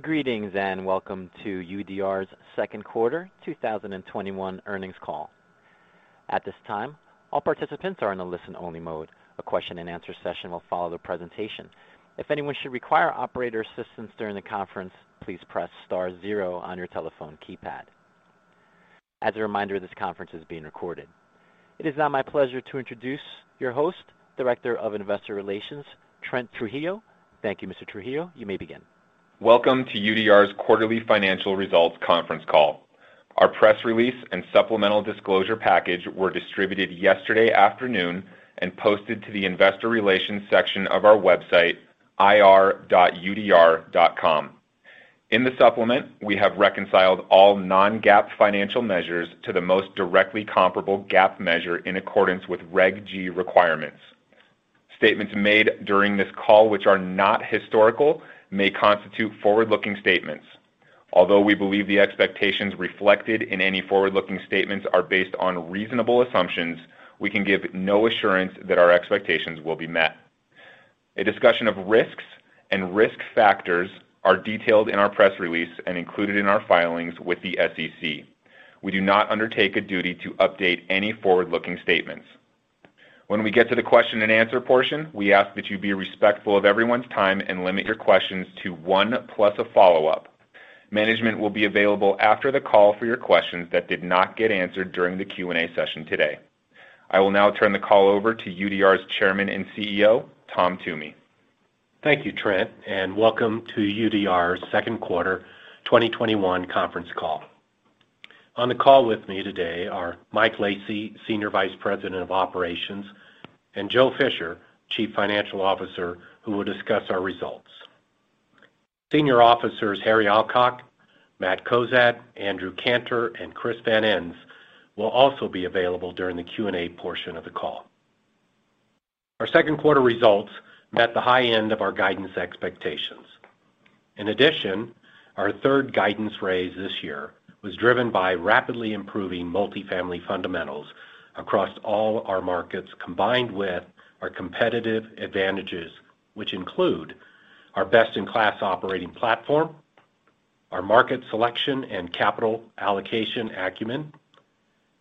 Greetings, welcome to UDR's second quarter 2021 earnings call. At this time, all participants are in a listen-only mode. A question and answer session will follow the presentation. If anyone should require operator assistance during the conference, please press star zero on your telephone keypad. As a reminder, this conference is being recorded. It is now my pleasure to introduce your host, Director of Investor Relations, Trent Trujillo. Thank you, Mr. Trujillo. You may begin. Welcome to UDR's quarterly financial results conference call. Our press release and supplemental disclosure package were distributed yesterday afternoon and posted to the investor relations section of our website, ir.udr.com. In the supplement, we have reconciled all non-GAAP financial measures to the most directly comparable GAAP measure in accordance with Reg G requirements. Statements made during this call which are not historical may constitute forward-looking statements. Although we believe the expectations reflected in any forward-looking statements are based on reasonable assumptions, we can give no assurance that our expectations will be met. A discussion of risks and risk factors are detailed in our press release and included in our filings with the SEC. We do not undertake a duty to update any forward-looking statements. When we get to the question and answer portion, we ask that you be respectful of everyone's time and limit your questions to one, plus a follow-up. Management will be available after the call for your questions that did not get answered during the Q&A session today. I will now turn the call over to UDR's Chairman and CEO, Tom Toomey. Thank you Trent, and welcome to UDR's second quarter 2021 conference call. On the call with me today are Mike Lacy, Senior Vice President of Operations, and Joe Fisher, Chief Financial Officer, who will discuss our results. Senior Officers Harry Alcock, Matt Cozad, Andrew Cantor, and Chris Van Ens will also be available during the Q&A portion of the call. Our second quarter results met the high end of our guidance expectations. In addition, our third guidance raise this year was driven by rapidly improving multifamily fundamentals across all our markets, combined with our competitive advantages which include our best-in-class operating platform, our market selection and capital allocation acumen,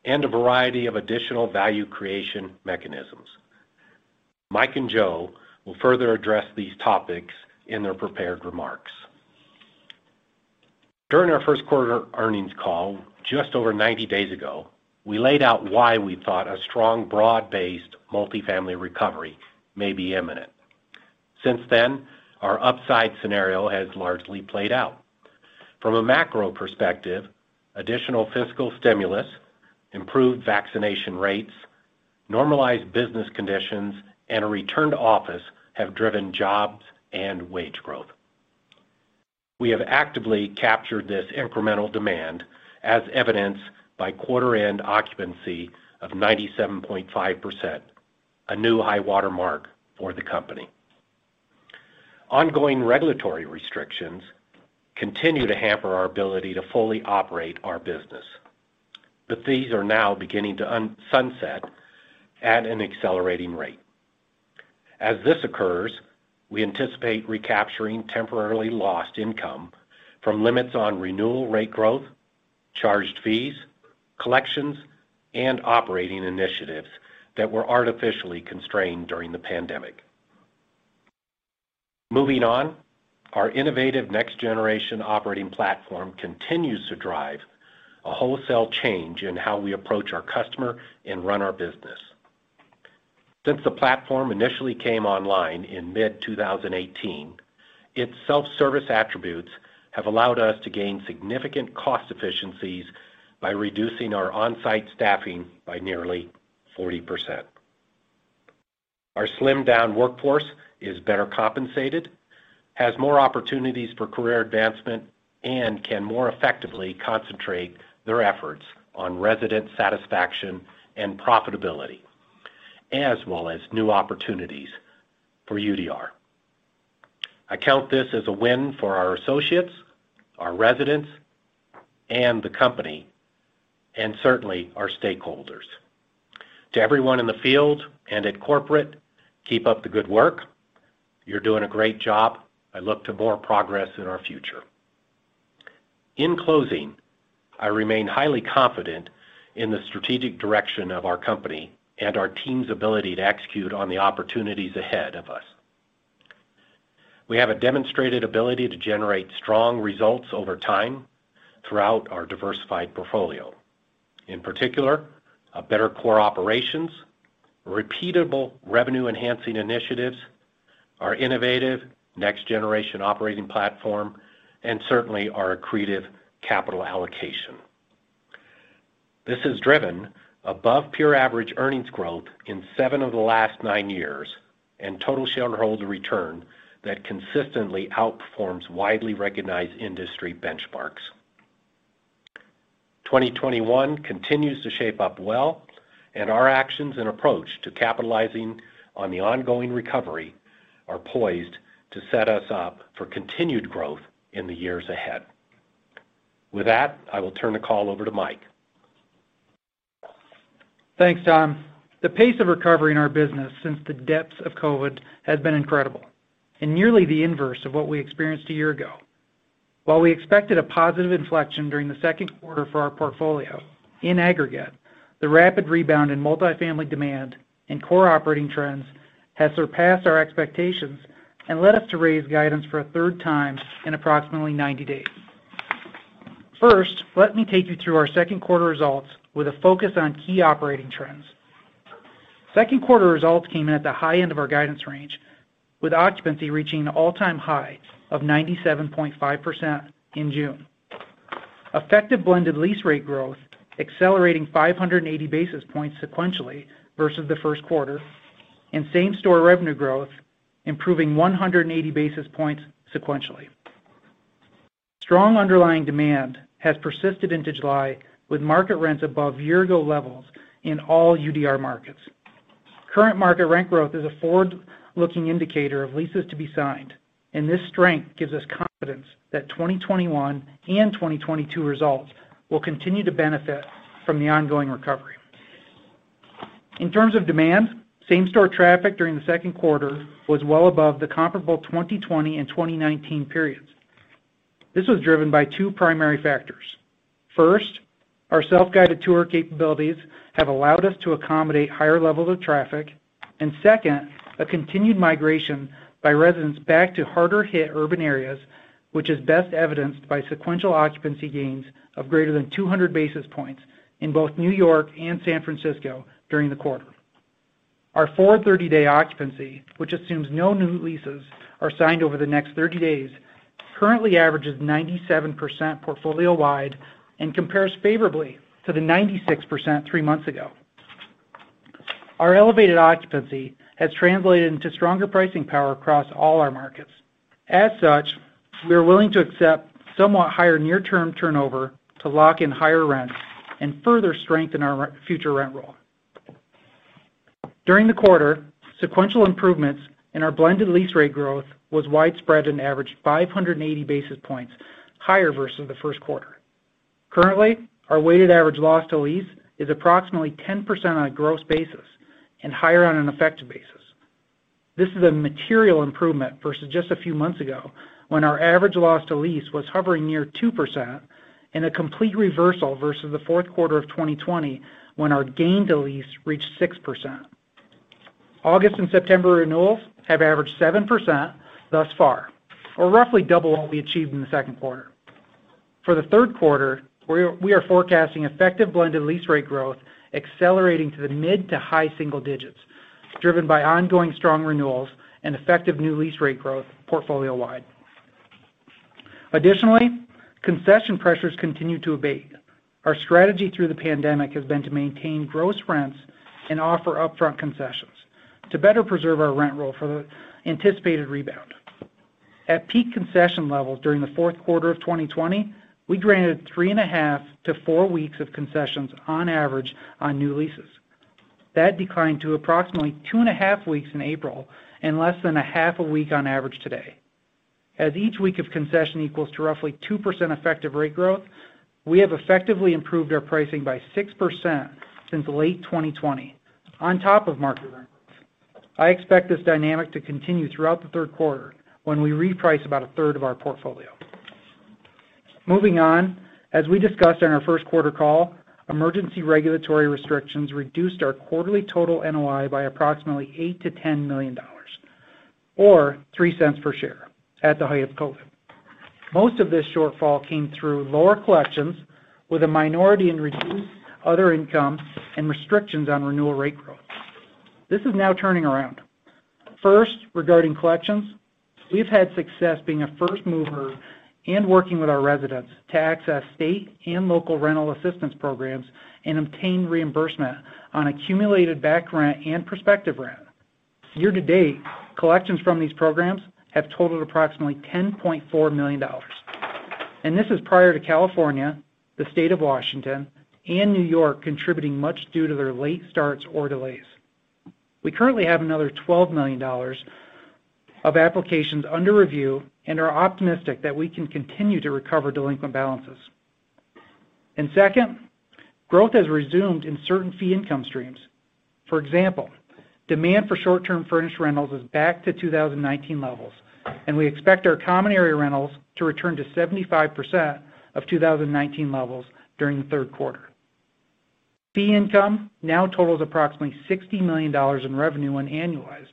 and a variety of additional value creation mechanisms. Mike and Joe will further address these topics in their prepared remarks. During our first quarter earnings call, just over 90 days ago, we laid out why we thought a strong, broad-based multifamily recovery may be imminent. Since then, our upside scenario has largely played out. From a macro perspective, additional fiscal stimulus, improved vaccination rates, normalized business conditions, and a return to office have driven jobs and wage growth. We have actively captured this incremental demand as evidenced by quarter-end occupancy of 97.5%, a new high water mark for the company. Ongoing regulatory restrictions continue to hamper our ability to fully operate our business, but these are now beginning to sunset at an accelerating rate. As this occurs, we anticipate recapturing temporarily lost income from limits on renewal rate growth, charged fees, collections, and operating initiatives that were artificially constrained during the pandemic. Moving on, our innovative Next Generation Operating platform continues to drive a wholesale change in how we approach our customer and run our business. Since the platform initially came online in mid-2018, its self-service attributes have allowed us to gain significant cost efficiencies by reducing our on-site staffing by nearly 40%. Our slimmed-down workforce is better compensated, has more opportunities for career advancement, and can more effectively concentrate their efforts on resident satisfaction and profitability, as well as new opportunities for UDR. I count this as a win for our associates, our residents, and the company, and certainly our stakeholders. To everyone in the field and at corporate, keep up the good work. You're doing a great job. I look to more progress in our future. In closing, I remain highly confident in the strategic direction of our company and our team's ability to execute on the opportunities ahead of us. We have a demonstrated ability to generate strong results over time throughout our diversified portfolio. In particular, our better core operations, repeatable revenue-enhancing initiatives, our innovative Next Generation Operating Platform, and certainly our accretive capital allocation. This has driven above-peer average earnings growth in seven of the last nine years, and total shareholder return that consistently outperforms widely recognized industry benchmarks. 2021 continues to shape up well, and our actions and approach to capitalizing on the ongoing recovery are poised to set us up for continued growth in the years ahead. With that, I will turn the call over to Mike. Thanks Tom. The pace of recovery in our business since the depths of COVID has been incredible and nearly the inverse of what we experienced a year ago. While we expected a positive inflection during the second quarter for our portfolio, in aggregate, the rapid rebound in multifamily demand and core operating trends has surpassed our expectations and led us to raise guidance for a third time in approximately 90 days. First, let me take you through our second quarter results with a focus on key operating trends. Second quarter results came in at the high end of our guidance range, with occupancy reaching an all-time high of 97.5% in June, effective blended lease rate growth accelerating 580 basis points sequentially versus the first quarter, and same-store revenue growth improving 180 basis points sequentially. Strong underlying demand has persisted into July, with market rents above year-ago levels in all UDR markets. Current market rent growth is a forward-looking indicator of leases to be signed, and this strength gives us confidence that 2021 and 2022 results will continue to benefit from the ongoing recovery. In terms of demand, same-store traffic during the second quarter was well above the comparable 2020 and 2019 periods. This was driven by two primary factors. First, our self-guided tour capabilities have allowed us to accommodate higher levels of traffic. Second, a continued migration by residents back to harder-hit urban areas, which is best evidenced by sequential occupancy gains of greater than 200 basis points in both New York and San Francisco during the quarter. Our forward 30-day occupancy, which assumes no new leases are signed over the next 30 days, currently averages 97% portfolio-wide and compares favorably to the 96% three months ago. Our elevated occupancy has translated into stronger pricing power across all our markets. As such, we are willing to accept somewhat higher near-term turnover to lock in higher rents and further strengthen our future rent roll. During the quarter, sequential improvements in our blended lease rate growth was widespread and averaged 580 basis points higher versus the first quarter. Currently, our weighted average loss to lease is approximately 10% on a gross basis and higher on an effective basis. This is a material improvement versus just a few months ago when our average loss to lease was hovering near 2% and a complete reversal versus the fourth quarter of 2020 when our gain to lease reached 6%. August and September renewals have averaged 7% thus far, or roughly double what we achieved in the second quarter. For the third quarter, we are forecasting effective blended lease rate growth accelerating to the mid to high single digits, driven by ongoing strong renewals and effective new lease rate growth portfolio-wide. Concession pressures continue to abate. Our strategy through the pandemic has been to maintain gross rents and offer upfront concessions to better preserve our rent roll for the anticipated rebound. At peak concession levels during the fourth quarter of 2020, we granted three and a half to four weeks of concessions on average on new leases. That declined to approximately two and a half weeks in April and less than a half a week on average today. As each week of concession equals to roughly 2% effective rate growth, we have effectively improved our pricing by 6% since late 2020 on top of market rents. I expect this dynamic to continue throughout the third quarter when we reprice about a third of our portfolio. Moving on, as we discussed on our first quarter call, emergency regulatory restrictions reduced our quarterly total NOI by approximately $8 million-$10 million, or $0.03 per share at the height of COVID. Most of this shortfall came through lower collections, with a minority in reduced other income and restrictions on renewal rate growth. This is now turning around. First, regarding collections, we've had success being a first mover and working with our residents to access state and local rental assistance programs and obtain reimbursement on accumulated back rent and prospective rent. Year-to-date, collections from these programs have totaled approximately $10.4 million. This is prior to California, the State of Washington, and New York contributing much due to their late starts or delays. We currently have another $12 million of applications under review and are optimistic that we can continue to recover delinquent balances. Second, growth has resumed in certain fee income streams. For example, demand for short-term furnished rentals is back to 2019 levels, and we expect our common area rentals to return to 75% of 2019 levels during the third quarter. Fee income now totals approximately $60 million in revenue when annualized,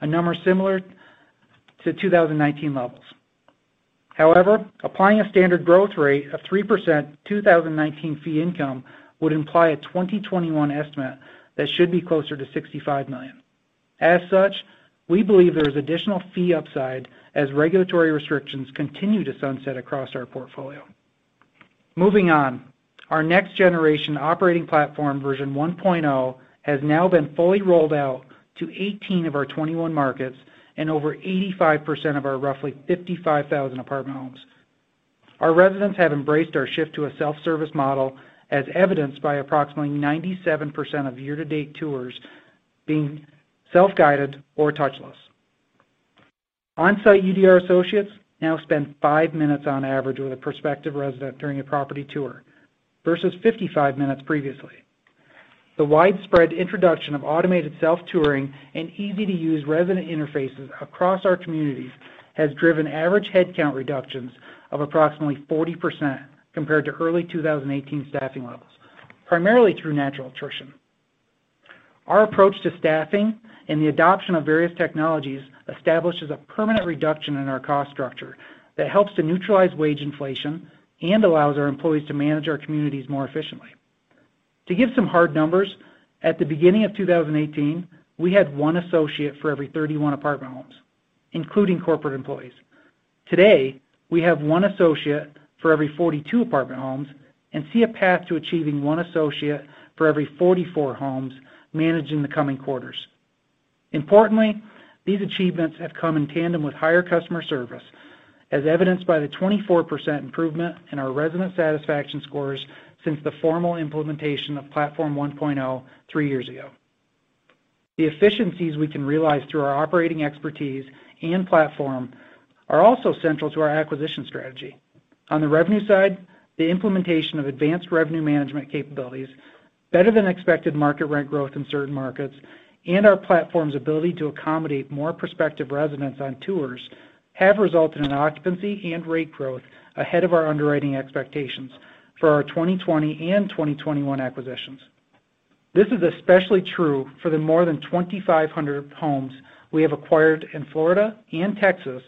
a number similar to 2019 levels. However, applying a standard growth rate of 3% 2019 fee income would imply a 2021 estimate that should be closer to $65 million. As such, we believe there is additional fee upside as regulatory restrictions continue to sunset across our portfolio. Moving on, our Next Generation Operating platform, version 1.0, has now been fully rolled out to 18 of our 21 markets and over 85% of our roughly 55,000 apartment homes. Our residents have embraced our shift to a self-service model, as evidenced by approximately 97% of year-to-date tours being self-guided or touchless. On-site UDR associates now spend 5 minutes on average with a prospective resident during a property tour, versus 55 minutes previously. The widespread introduction of automated self-touring and easy-to-use resident interfaces across our communities has driven average headcount reductions of approximately 40% compared to early 2018 staffing levels, primarily through natural attrition. Our approach to staffing and the adoption of various technologies establishes a permanent reduction in our cost structure that helps to neutralize wage inflation and allows our employees to manage our communities more efficiently. To give some hard numbers, at the beginning of 2018, we had one associate for every 31 apartment homes, including corporate employees. Today, we have one associate for every 42 apartment homes and see a path to achieving one associate for every 44 homes managed in the coming quarters. Importantly, these achievements have come in tandem with higher customer service, as evidenced by the 24% improvement in our resident satisfaction scores since the formal implementation of Platform 1.0 three years ago. The efficiencies we can realize through our operating expertise and platform are also central to our acquisition strategy. On the revenue side, the implementation of advanced revenue management capabilities, better than expected market rent growth in certain markets, and our platform's ability to accommodate more prospective residents on tours have resulted in occupancy and rate growth ahead of our underwriting expectations for our 2020 and 2021 acquisitions. This is especially true for the more than 2,500 homes we have acquired in Florida and Texas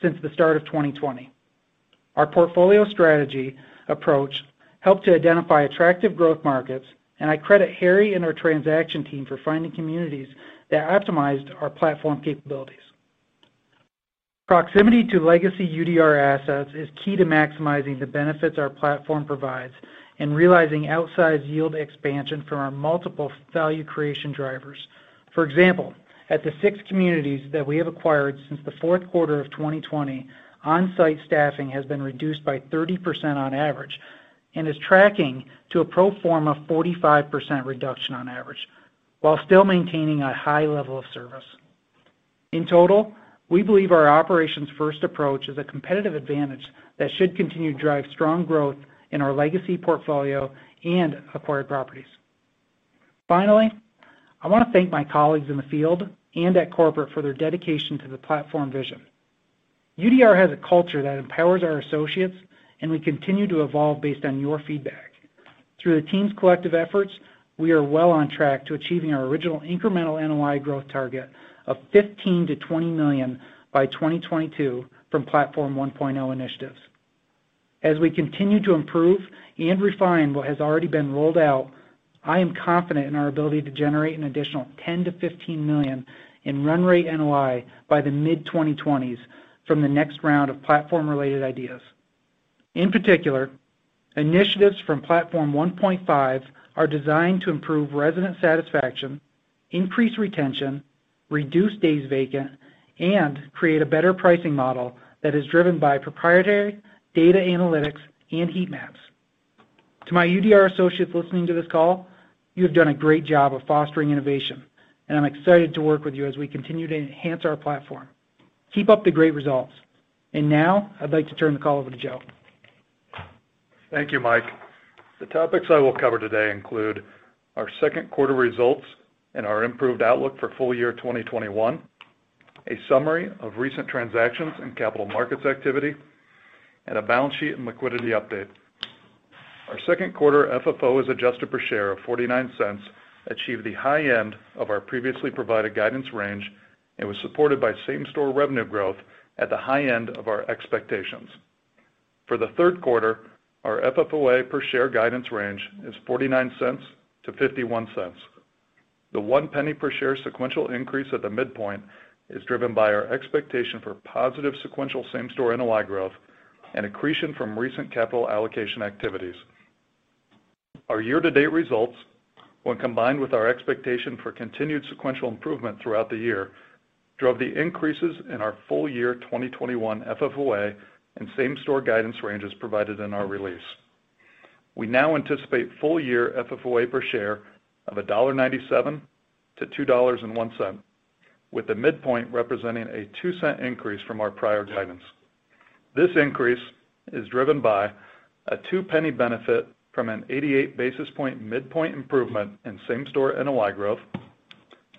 since the start of 2020. Our portfolio strategy approach helped to identify attractive growth markets, and I credit Harry and our transaction team for finding communities that optimized our platform capabilities. Proximity to legacy UDR assets is key to maximizing the benefits our platform provides in realizing outsized yield expansion from our multiple value creation drivers. For example, at the six communities that we have acquired since the fourth quarter of 2020, on-site staffing has been reduced by 30% on average and is tracking to a pro forma 45% reduction on average while still maintaining a high level of service. In total, we believe our operations-first approach is a competitive advantage that should continue to drive strong growth in our legacy portfolio and acquired properties. Finally, I want to thank my colleagues in the field and at corporate for their dedication to the platform vision. UDR has a culture that empowers our associates, and we continue to evolve based on your feedback. Through the team's collective efforts, we are well on track to achieving our original incremental NOI growth target of $15 million-$20 million by 2022 from Platform 1.0 initiatives. As we continue to improve and refine what has already been rolled out, I am confident in our ability to generate an additional $10 million-$15 million in run rate NOI by the mid-2020s from the next round of platform-related ideas. In particular, initiatives from Platform 1.5 are designed to improve resident satisfaction, increase retention, reduce days vacant, and create a better pricing model that is driven by proprietary data analytics and heat maps. To my UDR associates listening to this call, you have done a great job of fostering innovation. I'm excited to work with you as we continue to enhance our platform. Keep up the great results. Now I'd like to turn the call over to Joe. Thank you Mike. The topics I will cover today include our second quarter results and our improved outlook for full year 2021, a summary of recent transactions and capital markets activity, and a balance sheet and liquidity update. Our second quarter FFO as adjusted per share of $0.49 achieved the high end of our previously provided guidance range and was supported by same-store revenue growth at the high end of our expectations. For the third quarter, our FFOA per share guidance range is $0.49-$0.51. The $0.01 per share sequential increase at the midpoint is driven by our expectation for positive sequential same-store NOI growth and accretion from recent capital allocation activities. Our year-to-date results, when combined with our expectation for continued sequential improvement throughout the year, drove the increases in our full-year 2021 FFOA and same-store guidance ranges provided in our release. We now anticipate full-year FFOA per share of $1.97-$2.01, with the midpoint representing a $0.02 increase from our prior guidance. This increase is driven by a $0.02 benefit from an 88-basis-point midpoint improvement in same-store NOI growth,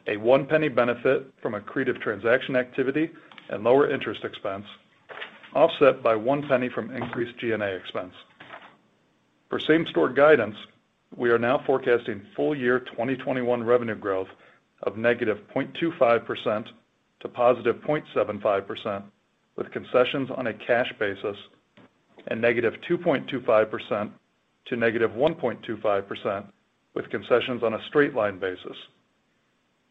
a $0.01 benefit from accretive transaction activity and lower interest expense, offset by $0.01 from increased G&A expense. For same-store guidance, we are now forecasting full-year 2021 revenue growth of -0.25% to +0.75% with concessions on a cash basis, and -2.25% to -1.25% with concessions on a straight-line basis.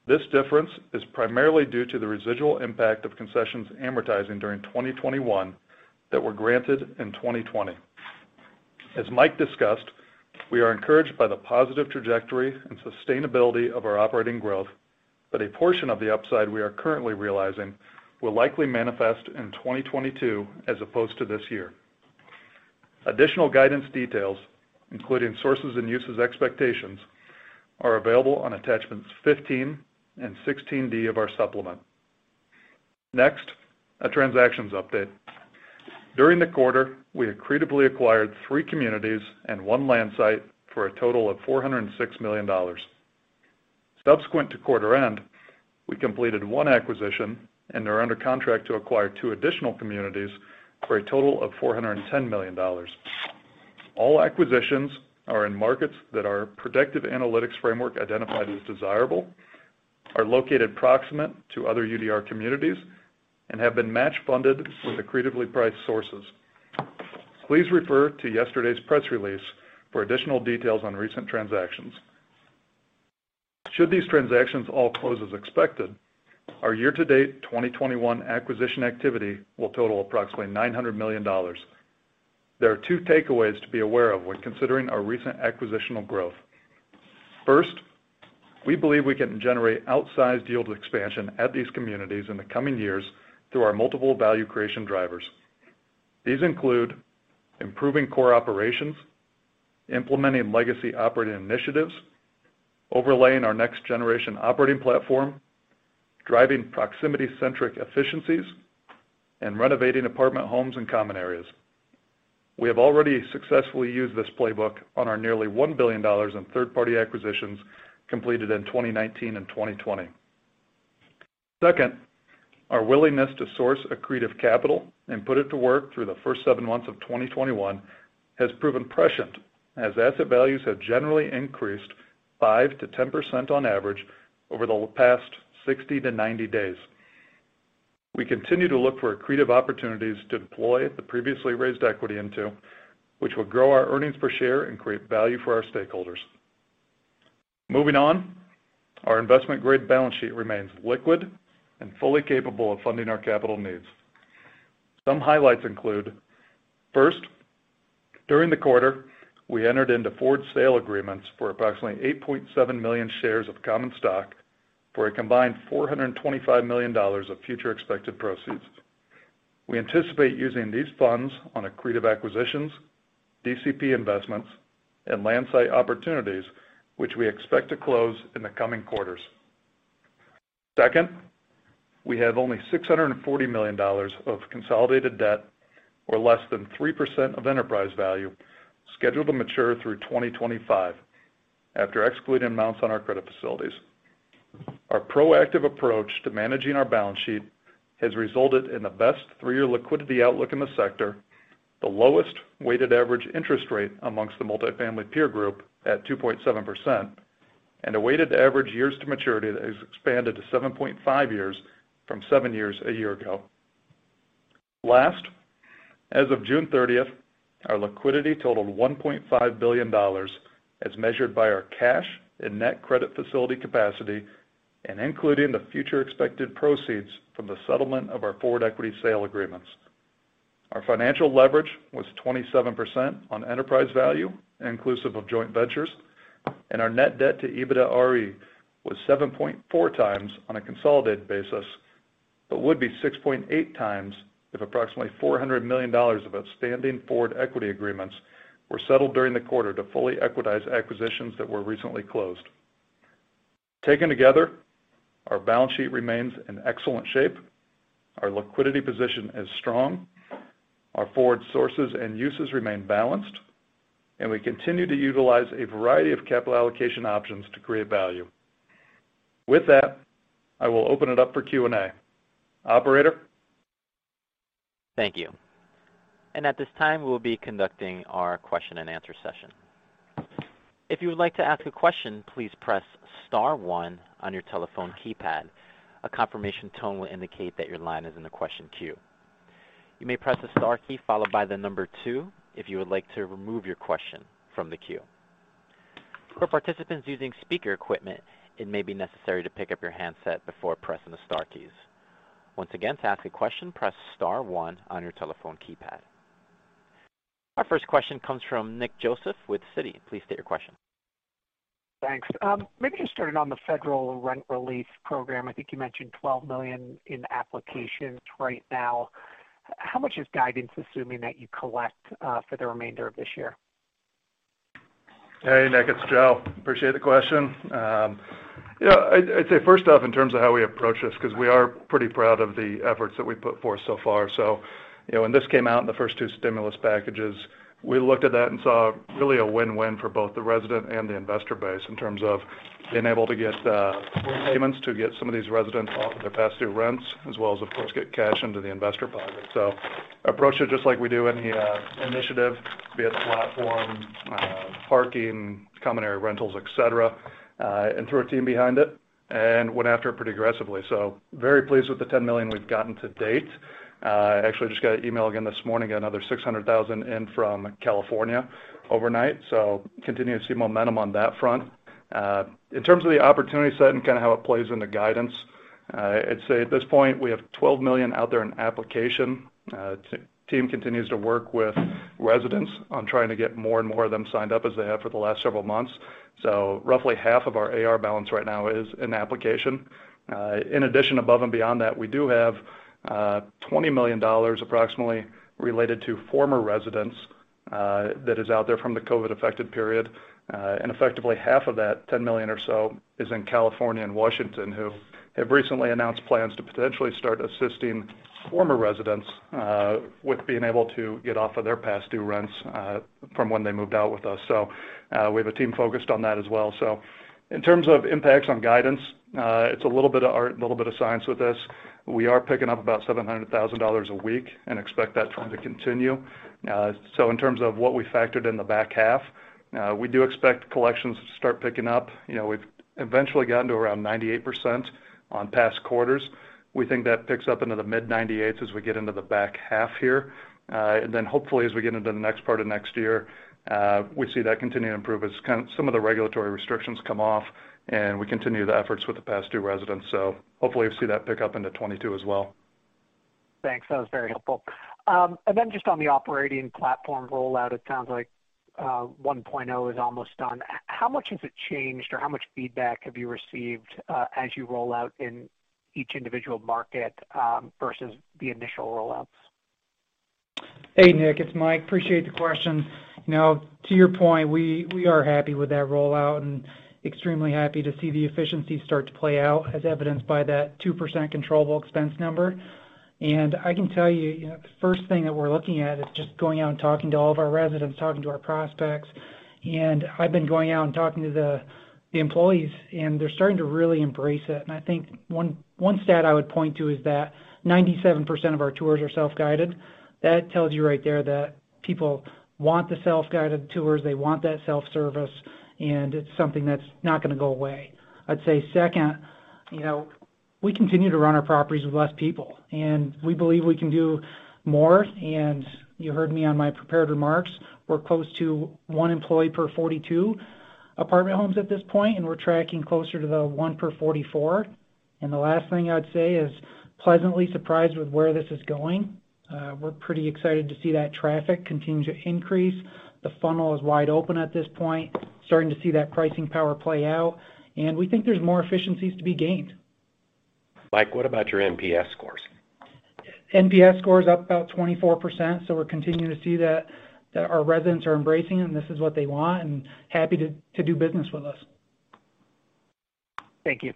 This difference is primarily due to the residual impact of concessions amortizing during 2021 that were granted in 2020. As Mike discussed, we are encouraged by the positive trajectory and sustainability of our operating growth, but a portion of the upside we are currently realizing will likely manifest in 2022 as opposed to this year. Additional guidance details, including sources and uses expectations, are available on attachments 15 and 16D of our supplement. Next, a transactions update. During the quarter, we accretively acquired three communities and one land site for a total of $406 million. Subsequent to quarter end, we completed one acquisition and are under contract to acquire two additional communities for a total of $410 million. All acquisitions are in markets that our predictive analytics framework identified as desirable, are located proximate to other UDR communities, and have been match funded with accretively priced sources. Please refer to yesterday's press release for additional details on recent transactions. Should these transactions all close as expected, our year-to-date 2021 acquisition activity will total approximately $900 million. There are two takeaways to be aware of when considering our recent acquisitional growth. First, we believe we can generate outsized yield expansion at these communities in the coming years through our multiple value creation drivers. These include improving core operations, implementing legacy operating initiatives, overlaying our Next Generation Operating Platform, driving proximity-centric efficiencies, and renovating apartment homes and common areas. We have already successfully used this playbook on our nearly $1 billion in third-party acquisitions completed in 2019 and 2020. Second, our willingness to source accretive capital and put it to work through the first 7 months of 2021 has proven prescient, as asset values have generally increased 5%-10% on average over the past 60-90 days. We continue to look for accretive opportunities to deploy the previously raised equity into, which will grow our earnings per share and create value for our stakeholders. Moving on, our investment-grade balance sheet remains liquid and fully capable of funding our capital needs. Some highlights include, first, during the quarter, we entered into forward sale agreements for approximately 8.7 million shares of common stock for a combined $425 million of future expected proceeds. We anticipate using these funds on accretive acquisitions, DCP investments, and land site opportunities, which we expect to close in the coming quarters. Second, we have only $640 million of consolidated debt or less than 3% of enterprise value scheduled to mature through 2025 after excluding amounts on our credit facilities. Our proactive approach to managing our balance sheet has resulted in the best three-year liquidity outlook in the sector, the lowest weighted average interest rate amongst the multifamily peer group at 2.7%, and a weighted average years to maturity that has expanded to 7.5 years from seven years a year ago. Last, as of June 30th, our liquidity totaled $1.5 billion as measured by our cash and net credit facility capacity and including the future expected proceeds from the settlement of our forward equity sale agreements. Our financial leverage was 27% on enterprise value, inclusive of joint ventures, and our net debt to EBITDARE was 7.4x on a consolidated basis, but would be 6.8x if approximately $400 million of outstanding forward equity agreements were settled during the quarter to fully equitize acquisitions that were recently closed. Taken together, our balance sheet remains in excellent shape. Our liquidity position is strong. Our forward sources and uses remain balanced, and we continue to utilize a variety of capital allocation options to create value. With that, I will open it up for Q&A. Operator? Thank you. And at this time will be conducting our question and answer session. If you like to ask a question please press star one on your telephone keypad, confirmation tone will indicate that your line is in the question queue. You may press the star key followed by the number two, if you would like to remove your question from the queue. For participants using speaker equipment, it may be necessary to pick up you handset before pressing the star keys once again. To ask question press star one on your telephone keypad. Our first question comes from Nick Joseph with Citi. Please state your question. Thanks. Maybe just starting on the federal rent relief program. I think you mentioned $12 million in applications right now. How much is guidance assuming that you collect for the remainder of this year? Hey, Nick, it's Joe. Appreciate the question. I'd say first off, in terms of how we approach this because we are pretty proud of the efforts that we've put forth so far. When this came out in the first two stimulus packages, we looked at that and saw really a win-win for both the resident and the investor base in terms of being able to get full payments to get some of these residents off of their past due rents, as well as, of course, get cash into the investor pocket. Approached it just like we do any initiative, be it platform, parking, common area rentals, etc., and threw our team behind it and went after it pretty aggressively. Very pleased with the $10 million we've gotten to date. Actually just got an email again this morning, got another $600,000 in from California overnight. Continue to see momentum on that front. In terms of the opportunity set and kind of how it plays into guidance, I'd say at this point, we have $12 million out there in application. Team continues to work with residents on trying to get more and more of them signed up as they have for the last several months. Roughly half of our AR balance right now is in application. In addition, above and beyond that, we do have $20 million approximately related to former residents that is out there from the COVID-affected period. Effectively, half of that $10 million or so is in California and Washington, who have recently announced plans to potentially start assisting former residents with being able to get off of their past due rents from when they moved out with us. We have a team focused on that as well. In terms of impacts on guidance, it's a little bit of art and a little bit of science with this. We are picking up about $700,000 a week and expect that trend to continue. In terms of what we factored in the back half, we do expect collections to start picking up. We've eventually gotten to around 98% on past quarters. We think that picks up into the mid 98s as we get into the back half here. Hopefully, as we get into the next part of next year, we see that continue to improve as some of the regulatory restrictions come off, and we continue the efforts with the past due residents. Hopefully we see that pick up into 2022 as well. Thanks. That was very helpful. Then just on the operating platform rollout, it sounds like 1.0 is almost done. How much has it changed or how much feedback have you received as you roll out in each individual market versus the initial rollouts? Hey, Nick, it's Mike. Appreciate the question. To your point, we are happy with that rollout and extremely happy to see the efficiency start to play out as evidenced by that 2% controllable expense number. I can tell you, the first thing that we're looking at is just going out and talking to all of our residents, talking to our prospects. I've been going out and talking to the employees, and they're starting to really embrace it. I think one stat I would point to is that 97% of our tours are self-guided. That tells you right there that people want the self-guided tours, they want that self-service, and it's something that's not going to go away. I'd say second, we continue to run our properties with less people, and we believe we can do more. You heard me on my prepared remarks. We're close to one employee per 42 apartment homes at this point. We're tracking closer to the one per 44. The last thing I'd say is pleasantly surprised with where this is going. We're pretty excited to see that traffic continue to increase. The funnel is wide open at this point, starting to see that pricing power play out. We think there's more efficiencies to be gained. Mike, what about your NPS scores? NPS score is up about 24%, so we're continuing to see that our residents are embracing it, and this is what they want, and happy to do business with us. Thank you.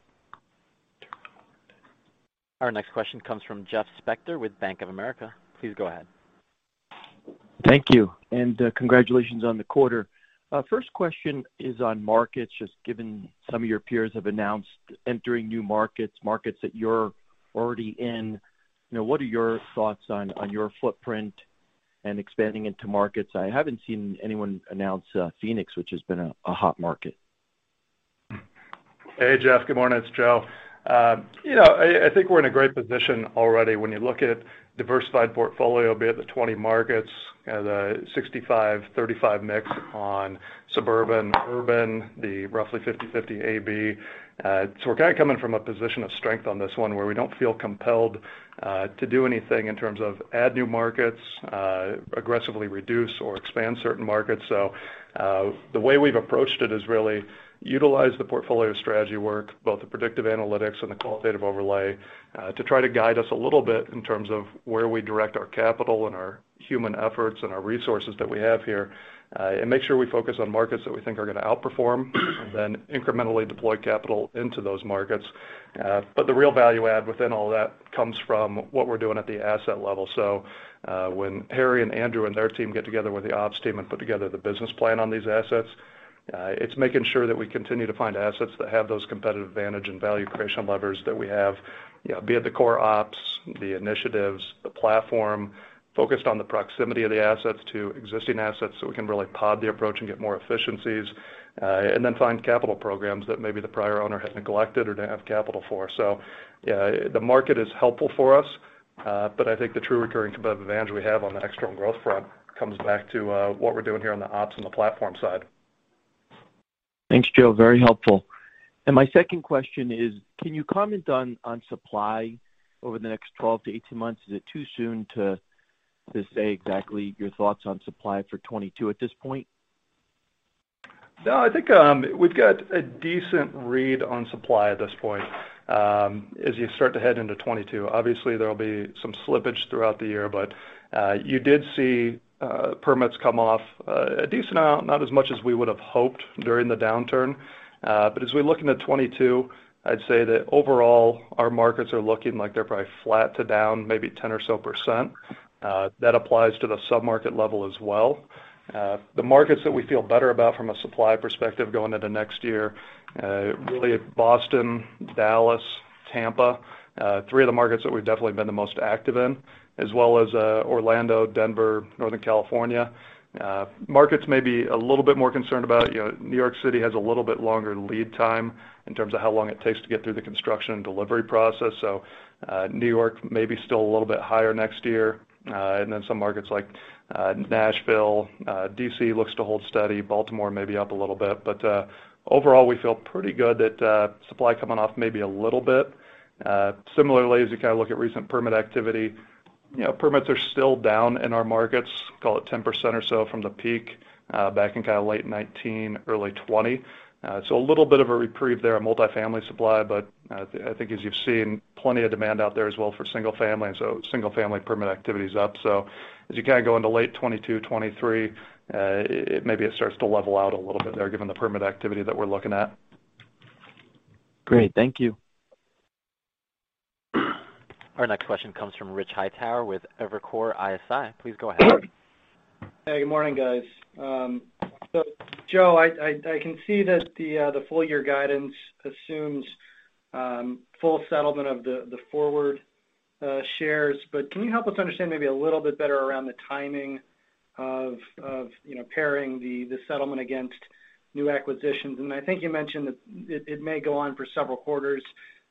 Our next question comes from Jeff Spector with Bank of America. Please go ahead. Thank you, and congratulations on the quarter. First question is on markets, just given some of your peers have announced entering new markets that you're already in, what are your thoughts on your footprint and expanding into markets? I haven't seen anyone announce Phoenix, which has been a hot market. Hey, Jeff. Good morning. It's Joe. I think we're in a great position already when you look at diversified portfolio, be it the 20 markets, the 65/35 mix on suburban, urban, the roughly 50/50 AB. We're kind of coming from a position of strength on this one where we don't feel compelled to do anything in terms of add new markets, aggressively reduce or expand certain markets. The way we've approached it is really utilize the portfolio strategy work, both the predictive analytics and the qualitative overlay, to try to guide us a little bit in terms of where we direct our capital and our human efforts and our resources that we have here, and make sure we focus on markets that we think are going to outperform, and then incrementally deploy capital into those markets. The real value add within all that comes from what we're doing at the asset level. When Harry and Andrew and their team get together with the ops team and put together the business plan on these assets, it's making sure that we continue to find assets that have those competitive advantage and value creation levers that we have, be it the core ops, the initiatives, the platform, focused on the proximity of the assets to existing assets, so we can really pod the approach and get more efficiencies, and then find capital programs that maybe the prior owner had neglected or didn't have capital for. I think the true recurring competitive advantage we have on the external growth front comes back to what we're doing here on the ops and the platform side. Thanks Joe. Very helpful. My second question is, can you comment on supply over the next 12 to 18 months? Is it too soon to say exactly your thoughts on supply for 2022 at this point? I think we've got a decent read on supply at this point as you start to head into 2022. Obviously, there'll be some slippage throughout the year. You did see permits come off a decent amount, not as much as we would have hoped during the downturn. As we look into 2022, I'd say that overall, our markets are looking like they're probably flat to down maybe 10% or so. That applies to the sub-market level as well. The markets that we feel better about from a supply perspective going into next year, really Boston, Dallas, Tampa, three of the markets that we've definitely been the most active in, as well as Orlando, Denver, Northern California. Markets maybe a little bit more concerned about New York City has a little bit longer lead time in terms of how long it takes to get through the construction and delivery process. New York may be still a little bit higher next year. Some markets like Nashville, D.C. looks to hold steady. Baltimore may be up a little bit. Overall, we feel pretty good that supply coming off maybe a little bit. Similarly, as you kind of look at recent permit activity, permits are still down in our markets, call it 10% or so from the peak back in kind of late 2019, early 2020. A little bit of a reprieve there on multifamily supply, but I think as you've seen, plenty of demand out there as well for single family, and so single family permit activity is up. As you kind of go into late 2022, 2023, maybe it starts to level out a little bit there given the permit activity that we're looking at. Great. Thank you. Our next question comes from Rich Hightower with Evercore ISI. Please go ahead. Hey, good morning, guys. Joe, I can see that the full year guidance assumes full settlement of the forward shares. Can you help us understand maybe a little bit better around the timing of pairing the settlement against new acquisitions? I think you mentioned that it may go on for several quarters.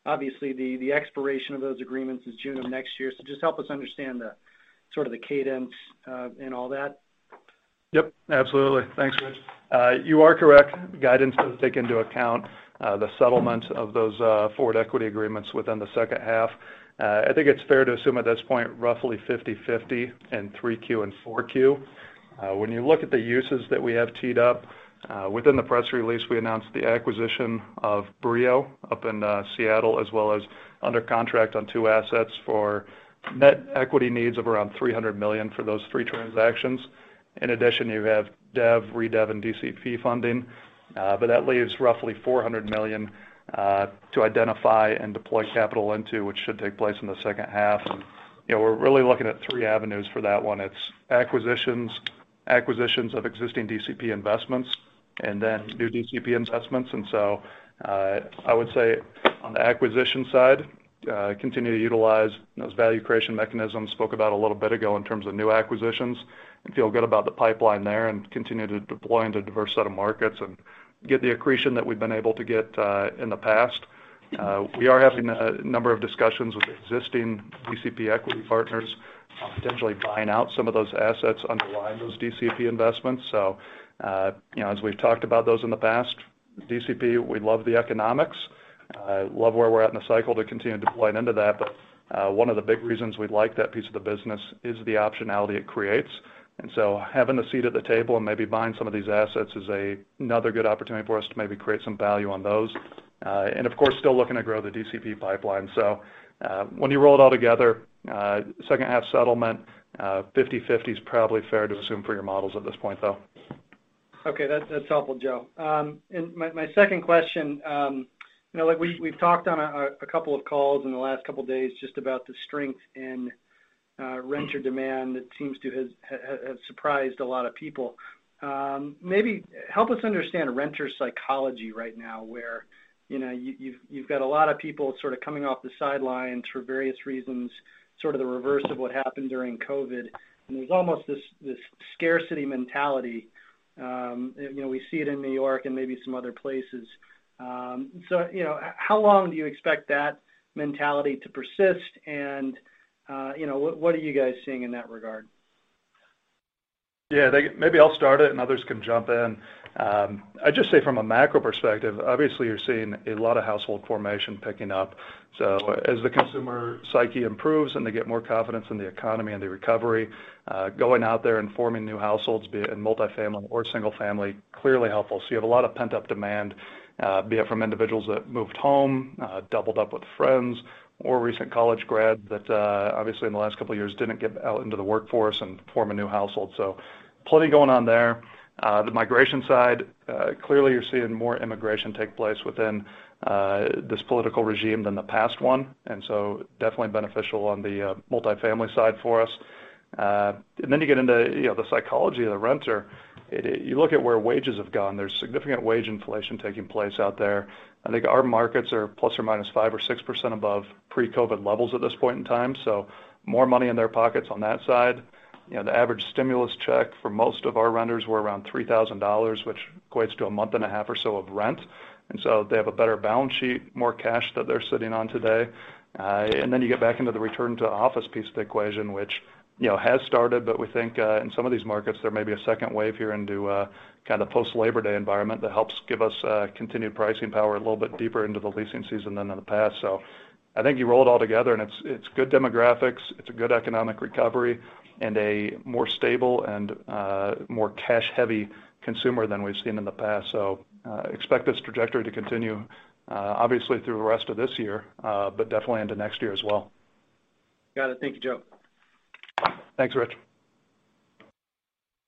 Obviously, the expiration of those agreements is June of next year. Just help us understand the sort of the cadence in all that. Yep, absolutely. Thanks Rich. You are correct. Guidance does take into account the settlement of those forward equity agreements within the second half. I think it's fair to assume at this point, roughly 50/50 in 3Q and 4Q. When you look at the uses that we have teed up, within the press release, we announced the acquisition of Brio Apartments up in Seattle, as well as under contract on two assets for net equity needs of around $300 million for those three transactions. In addition, you have dev, redev, and DCP funding, but that leaves roughly $400 million to identify and deploy capital into, which should take place in the second half. We're really looking at three avenues for that one. It's acquisitions of existing DCP investments and then new DCP investments. I would say on the acquisition side, continue to utilize those value creation mechanisms spoke about a little bit ago in terms of new acquisitions and feel good about the pipeline there and continue to deploy into a diverse set of markets and get the accretion that we've been able to get in the past. We are having a number of discussions with existing DCP equity partners on potentially buying out some of those assets underlying those DCP investments. As we've talked about those in the past, DCP, we love the economics, love where we're at in the cycle to continue deploying into that. One of the big reasons we like that piece of the business is the optionality it creates. Having a seat at the table and maybe buying some of these assets is another good opportunity for us to maybe create some value on those. Of course, still looking to grow the DCP pipeline. When you roll it all together, second half settlement, 50/50 is probably fair to assume for your models at this point though. Okay. That's helpful, Joe. My second question, we've talked on a couple of calls in the last couple of days just about the strength in renter demand that seems to have surprised a lot of people. Maybe help us understand renter psychology right now, where you've got a lot of people sort of coming off the sidelines for various reasons, sort of the reverse of what happened during COVID. There's almost this scarcity mentality. We see it in New York and maybe some other places. How long do you expect that mentality to persist? What are you guys seeing in that regard? Yeah. Maybe I'll start it and others can jump in. I'd just say from a macro perspective, obviously, you're seeing a lot of household formation picking up. As the consumer psyche improves and they get more confidence in the economy and the recovery, going out there and forming new households, be it in multifamily or single family, clearly helpful. You have a lot of pent-up demand, be it from individuals that moved home, doubled up with friends or recent college grads that obviously in the last couple of years didn't get out into the workforce and form a new household. Plenty going on there. The migration side, clearly you're seeing more immigration take place within this political regime than the past one, definitely beneficial on the multifamily side for us. Then you get into the psychology of the renter. You look at where wages have gone. There's significant wage inflation taking place out there. I think our markets are ±5% or 6% above pre-COVID levels at this point in time, so more money in their pockets on that side. The average stimulus check for most of our renters were around $3,000, which equates to a month and a half or so of rent. They have a better balance sheet, more cash that they're sitting on today. You get back into the return to office piece of the equation, which has started, but we think in some of these markets, there may be a second wave here into a kind of post-Labor Day environment that helps give us continued pricing power a little bit deeper into the leasing season than in the past. I think you roll it all together and it's good demographics, it's a good economic recovery, and a more stable and more cash-heavy consumer than we've seen in the past. Expect this trajectory to continue obviously through the rest of this year, but definitely into next year as well. Got it. Thank you Joe. Thanks Rich.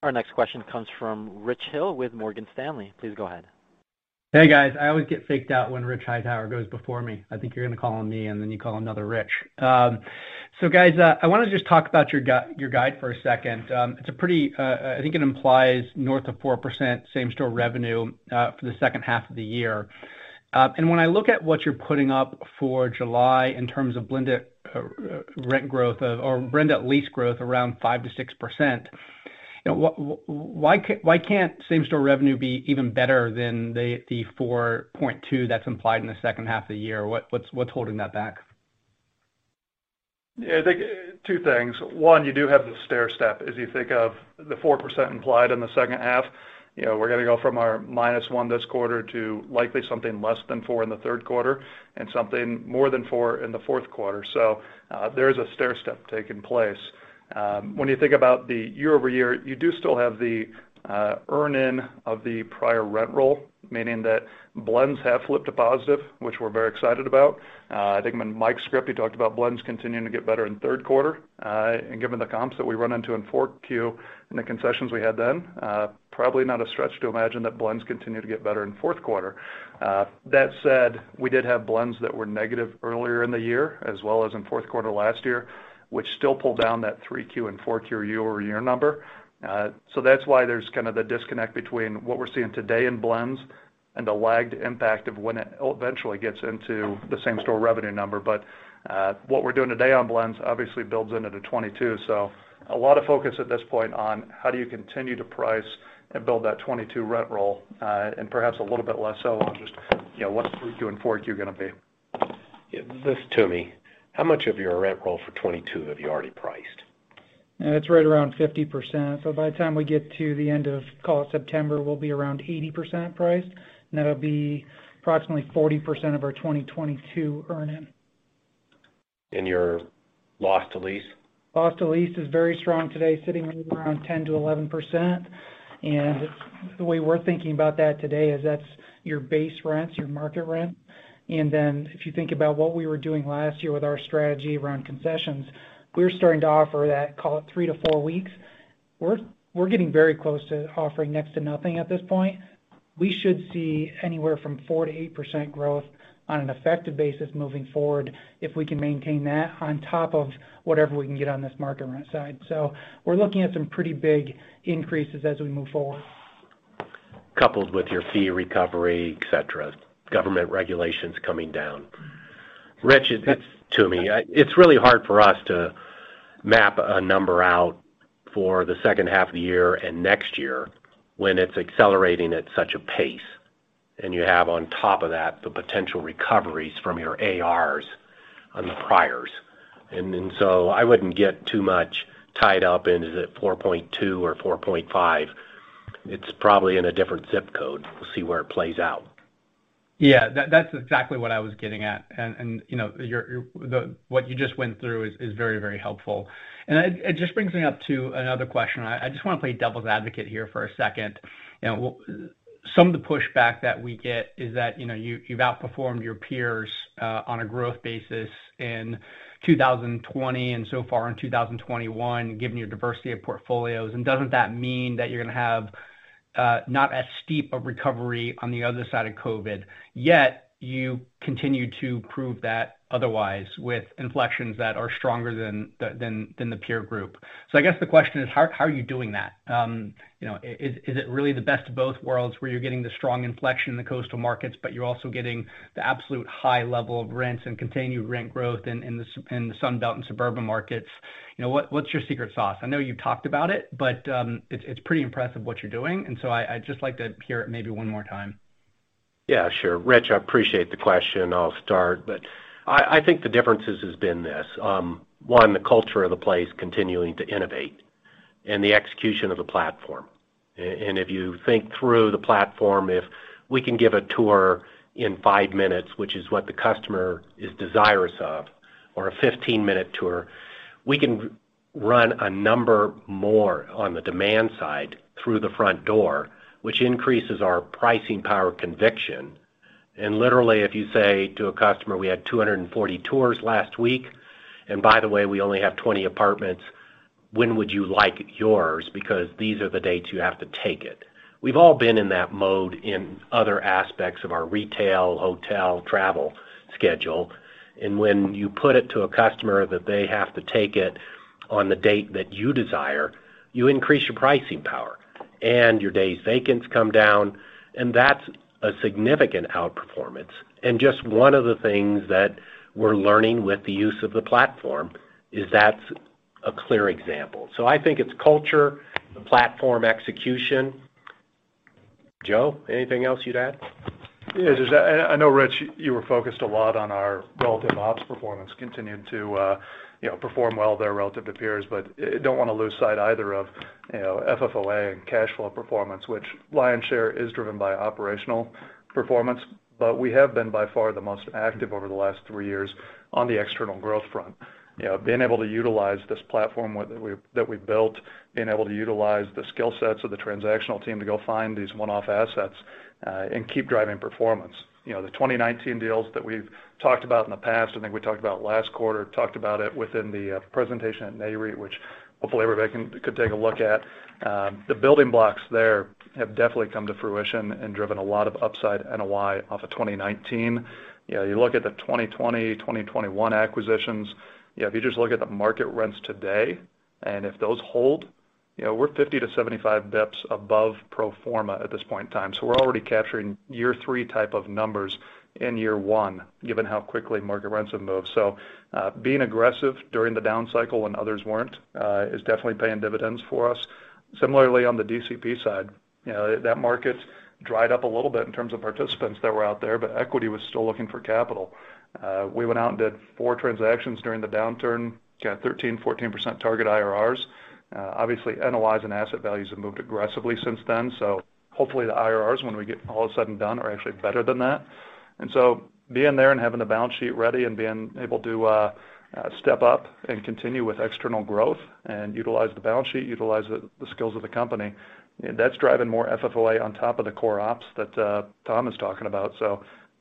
Our next question comes from Rich Hill with Morgan Stanley. Please go ahead. Hey, guys. I always get faked out when Rich Hightower goes before me. I think you're going to call on me, and then you call another Rich. Guys, I want to just talk about your guide for a second. I think it implies north of 4% same-store revenue for the second half of the year. When I look at what you're putting up for July in terms of blended rent growth of or blended lease growth around 5%-6%, why can't same-store revenue be even better than the 4.2% that's implied in the second half of the year? What's holding that back? Yeah, I think two things. One, you do have the stairstep. As you think of the 4% implied in the second half, we're going to go from our -1 this quarter to likely something less than four in the third quarter and something more than four in the fourth quarter. There is a stairstep taking place. When you think about the year-over-year, you do still have the earn-in of the prior rent roll, meaning that blends have flipped to positive, which we're very excited about. I think when Mike, he talked about blends continuing to get better in third quarter. Given the comps that we run into in 4Q and the concessions we had then, probably not a stretch to imagine that blends continue to get better in fourth quarter. That said, we did have blends that were negative earlier in the year as well as in fourth quarter last year, which still pull down that 3Q and 4Q year-over-year number. That's why there's kind of the disconnect between what we're seeing today in blends and the lagged impact of when it eventually gets into the same-store revenue number. What we're doing today on blends obviously builds into the 2022. A lot of focus at this point on how do you continue to price and build that 2022 rent roll, and perhaps a little bit less so on just what's 3Q and 4Q going to be. Yeah. This is Toomey. How much of your rent roll for 2022 have you already priced? It's right around 50%. By the time we get to the end of, call it September, we'll be around 80% priced, and that'll be approximately 40% of our 2022 earn-in. Your loss to lease? Loss to lease is very strong today, sitting maybe around 10%-11%. The way we're thinking about that today is that's your base rents, your market rent. If you think about what we were doing last year with our strategy around concessions, we were starting to offer that, call it 3-4 weeks. We're getting very close to offering next to nothing at this point. We should see anywhere from 4%-8% growth on an effective basis moving forward if we can maintain that on top of whatever we can get on this market rent side. We're looking at some pretty big increases as we move forward. Coupled with your fee recovery, etc., government regulations coming down. Rich, this is Toomey. It's really hard for us to map a number out for the second half of the year and next year when it's accelerating at such a pace. You have on top of that the potential recoveries from your A/Rs on the priors. I wouldn't get too much tied up into the 4.2 or 4.5. It's probably in a different zip code. We'll see where it plays out. Yeah, that's exactly what I was getting at. What you just went through is very, very helpful. It just brings me up to another question. I just want to play devil's advocate here for a second. Some of the pushback that we get is that you've outperformed your peers on a growth basis in 2020 and so far in 2021, given your diversity of portfolios, and doesn't that mean that you're going to have not as steep a recovery on the other side of COVID, yet you continue to prove that otherwise with inflections that are stronger than the peer group. I guess the question is how are you doing that? Is it really the best of both worlds where you're getting the strong inflection in the coastal markets, but you're also getting the absolute high level of rents and continued rent growth in the Sun Belt and suburban markets? What's your secret sauce? I know you talked about it, but it's pretty impressive what you're doing, so I'd just like to hear it maybe one more time. Yeah, sure. Rich, I appreciate the question. I'll start. I think the differences has been this. One, the culture of the place continuing to innovate and the execution of the platform. If you think through the platform, if we can give a tour in five minutes, which is what the customer is desirous of, or a 15-minute tour, we can run a number more on the demand side through the front door, which increases our pricing power conviction. Literally, if you say to a customer, "We had 240 tours last week, and by the way, we only have 20 apartments. When would you like yours? Because these are the dates you have to take it." We've all been in that mode in other aspects of our retail, hotel, travel schedule, when you put it to a customer that they have to take it on the date that you desire, you increase your pricing power and your days vacants come down, and that's a significant outperformance. Just one of the things that we're learning with the use of the platform is that's a clear example. I think it's culture, the platform execution. Joe, anything else you'd add? Yeah. I know, Rich, you were focused a lot on our relative ops performance, continued to perform well there relative to peers, don't want to lose sight either of FFOA and cash flow performance, which lion's share is driven by operational performance. We have been, by far, the most active over the last three years on the external growth front. Being able to utilize this platform that we've built, being able to utilize the skill sets of the transactional team to go find these one-off assets, and keep driving performance. The 2019 deals that we've talked about in the past, I think we talked about last quarter, talked about it within the presentation at NAREIT, which hopefully everybody could take a look at. The building blocks there have definitely come to fruition and driven a lot of upside NOI off of 2019. You look at the 2020, 2021 acquisitions, if you just look at the market rents today, and if those hold, we're 50 to 75 basis points above pro forma at this point in time. We're already capturing year three type of numbers in year one, given how quickly market rents have moved. Being aggressive during the down cycle when others weren't is definitely paying dividends for us. Similarly, on the DCP side, that market dried up a little bit in terms of participants that were out there, but equity was still looking for capital. We went out and did four transactions during the downturn, got 13%, 14% target IRRs. Obviously, NOIs and asset values have moved aggressively since then, so hopefully the IRRs, when we get all said and done, are actually better than that. Being there and having the balance sheet ready and being able to step up and continue with external growth and utilize the balance sheet, utilize the skills of the company, that's driving more FFOA on top of the core ops that Tom is talking about.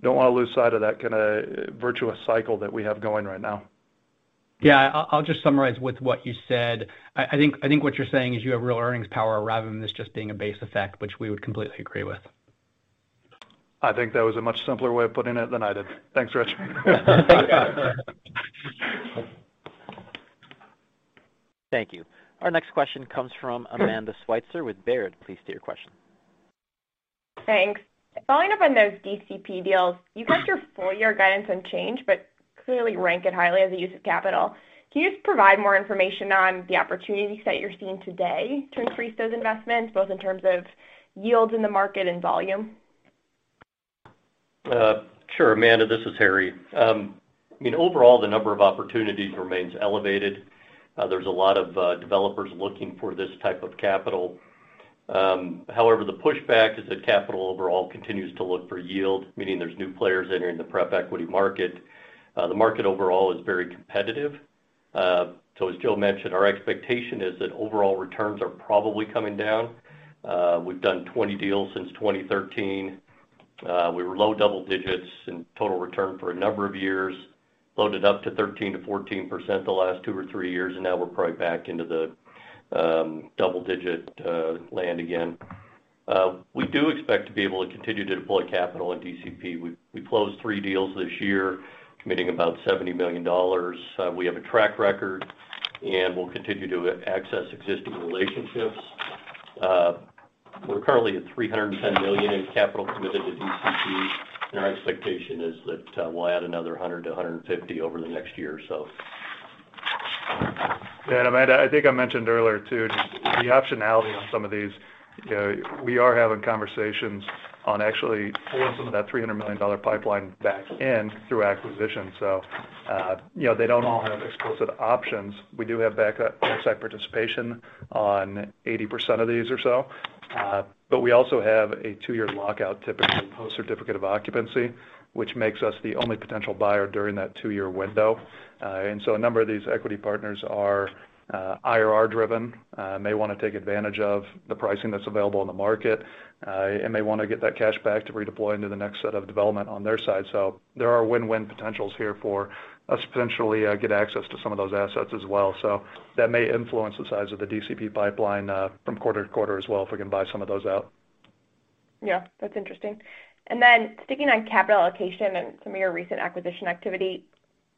Don't want to lose sight of that kind of virtuous cycle that we have going right now. I'll just summarize with what you said. I think what you're saying is you have real earnings power rather than this just being a base effect, which we would completely agree with. I think that was a much simpler way of putting it than I did. Thanks, Rich. Thank you. Our next question comes from Amanda Sweitzer with Baird. Please state your question. Thanks. Following up on those DCP deals, you kept your full-year guidance unchanged, but clearly rank it highly as a use of capital. Can you just provide more information on the opportunities that you're seeing today to increase those investments, both in terms of yields in the market and volume? Sure Amanda, this is Harry. Overall, the number of opportunities remains elevated. There's a lot of developers looking for this type of capital. The pushback is that capital overall continues to look for yield, meaning there's new players entering the pref equity market. The market overall is very competitive. As Joe mentioned, our expectation is that overall returns are probably coming down. We've done 20 deals since 2013. We were low double digits in total return for a number of years, loaded up to 13%-14% the last two or three years, now we're probably back into the double digit land again. We do expect to be able to continue to deploy capital in DCP. We closed three deals this year, committing about $70 million. We have a track record, we'll continue to access existing relationships. We're currently at $310 million in capital committed to DCP, and our expectation is that we'll add another $100 million-$150 million over the next year or so. And Amanda, I think I mentioned earlier too, just the optionality on some of these. We are having conversations on actually pulling some of that $300 million pipeline back in through acquisition. They don't all have exclusive options. We do have backup inside participation on 80% of these or so. We also have a two-year lockout, typically post certificate of occupancy, which makes us the only potential buyer during that two-year window. A number of these equity partners are IRR-driven, and they want to take advantage of the pricing that's available in the market, and may want to get that cash back to redeploy into the next set of development on their side. There are win-win potentials here for us potentially get access to some of those assets as well. That may influence the size of the DCP pipeline from quarter to quarter as well, if we can buy some of those out. Yeah, that's interesting. Sticking on capital allocation and some of your recent acquisition activity,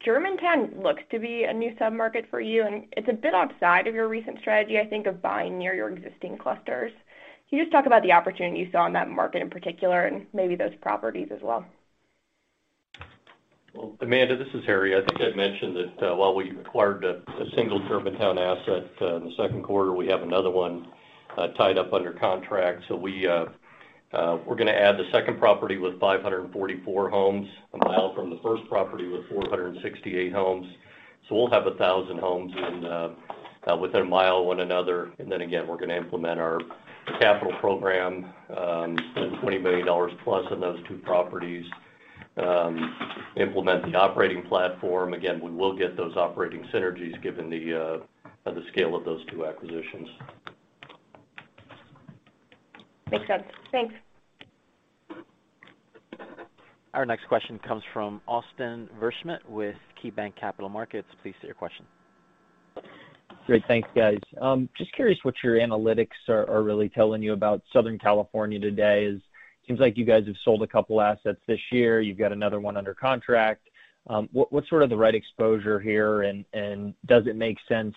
Germantown looks to be a new sub-market for you, and it's a bit outside of your recent strategy, I think, of buying near your existing clusters. Can you just talk about the opportunity you saw in that market in particular and maybe those properties as well? Amanda, this is Harry. I think I'd mentioned that while we acquired a single Germantown asset in the second quarter, we have another one tied up under contract. We're going to add the second property with 544 homes a mile from the first property with 468 homes. We'll have 1,000 homes within a mile of one another. Again, we're going to implement our capital program, spend $20 million plus on those two properties. Implement the operating platform. Again, we will get those operating synergies given the scale of those two acquisitions. Makes sense. Thanks. Our next question comes from Austin Wurschmidt with KeyBanc Capital Markets. Please state your question. Great. Thanks guys. Just curious what your analytics are really telling you about Southern California today, as seems like you guys have sold a couple assets this year. You've got another one under contract. What's sort of the right exposure here and does it make sense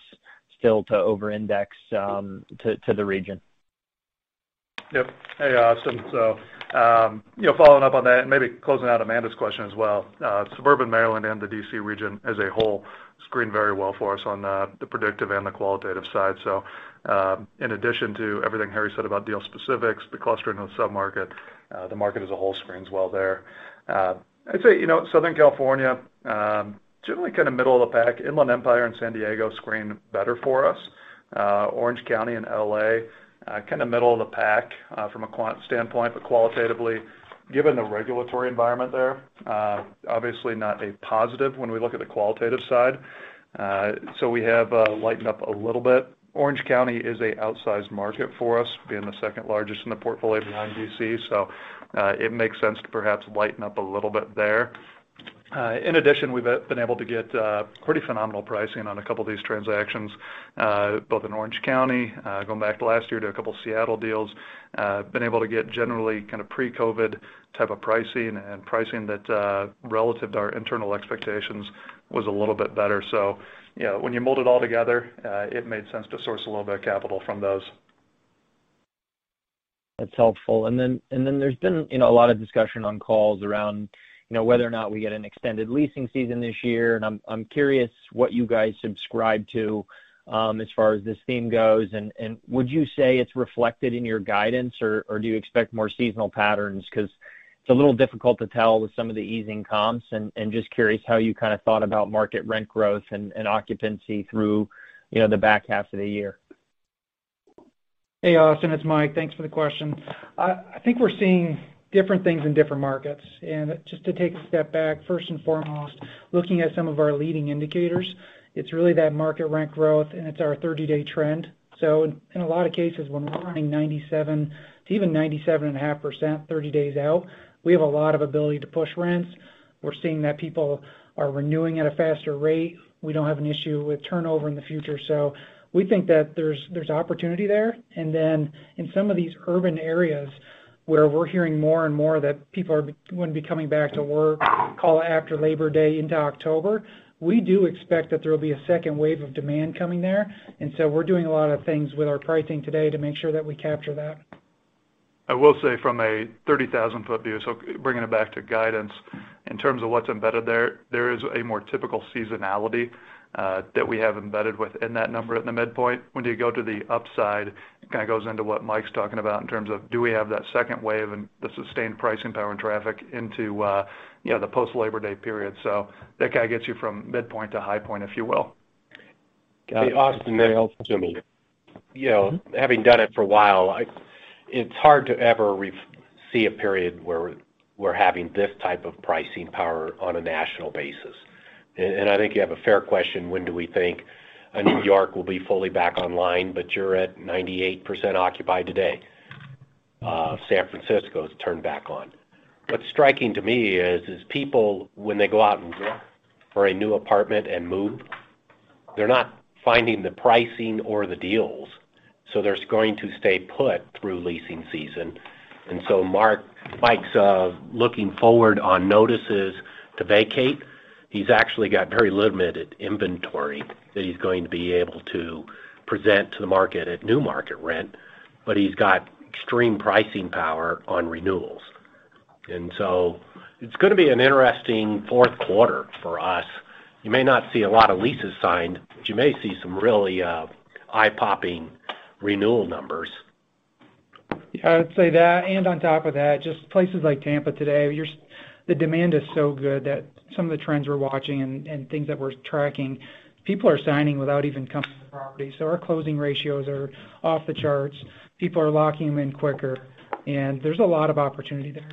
still to over-index to the region? Yep. Hey, Austin. Following up on that, maybe closing out Amanda's question as well. Suburban Maryland and the D.C. region as a whole screened very well for us on the predictive and the qualitative side. In addition to everything Harry said about deal specifics, the clustering of the sub-market, the market as a whole screens well there. I'd say, Southern California, generally kind of middle of the pack. Inland Empire and San Diego screen better for us. Orange County and L.A., kind of middle of the pack from a quant standpoint, qualitatively, given the regulatory environment there, obviously not a positive when we look at the qualitative side. We have lightened up a little bit. Orange County is a outsized market for us, being the second-largest in the portfolio behind D.C. It makes sense to perhaps lighten up a little bit there. We've been able to get pretty phenomenal pricing on a couple of these transactions, both in Orange County, going back to last year, did a couple of Seattle deals. We've been able to get generally pre-COVID type of pricing and pricing that, relative to our internal expectations, was a little bit better. When you mold it all together, it made sense to source a little bit of capital from those. That's helpful. There's been a lot of discussion on calls around whether or not we get an extended leasing season this year, and I'm curious what you guys subscribe to as far as this theme goes. Would you say it's reflected in your guidance, or do you expect more seasonal patterns? It's a little difficult to tell with some of the easing comps, just curious how you kind of thought about market rent growth and occupancy through the back half of the year. Hey, Austin, it's Mike. Thanks for the question. I think we're seeing different things in different markets. Just to take a step back, first and foremost, looking at some of our leading indicators, it's really that market rent growth, and it's our 30-day trend. In a lot of cases, when we're running 97 to even 97.5% 30 days out, we have a lot of ability to push rents. We're seeing that people are renewing at a faster rate. We don't have an issue with turnover in the future. We think that there's opportunity there. In some of these urban areas where we're hearing more and more that people wouldn't be coming back to work call after Labor Day into October, we do expect that there will be a second wave of demand coming there. We're doing a lot of things with our pricing today to make sure that we capture that. I will say from a 30,000 foot view, bringing it back to guidance in terms of what's embedded there is a more typical seasonality that we have embedded within that number at the midpoint. When you go to the upside, it goes into what Mike's talking about in terms of do we have that second wave and the sustained pricing power and traffic into the post-Labor Day period. That gets you from midpoint to high point, if you will. Austin, this is Toomey. Having done it for a while, it's hard to ever see a period where we're having this type of pricing power on a national basis. I think you have a fair question, when do we think New York will be fully back online, but you're at 98% occupied today. San Francisco has turned back on. What's striking to me is people, when they go out and look for a new apartment and move, they're not finding the pricing or the deals, so they're going to stay put through leasing season. Mike's looking forward on notices to vacate. He's actually got very limited inventory that he's going to be able to present to the market at new market rent, but he's got extreme pricing power on renewals. It's going to be an interesting fourth quarter for us. You may not see a lot of leases signed, but you may see some really eye-popping renewal numbers. Yeah, I would say that. On top of that, just places like Tampa today, the demand is so good that some of the trends we're watching and things that we're tracking, people are signing without even coming to the property. Our closing ratios are off the charts. People are locking them in quicker, and there's a lot of opportunity there.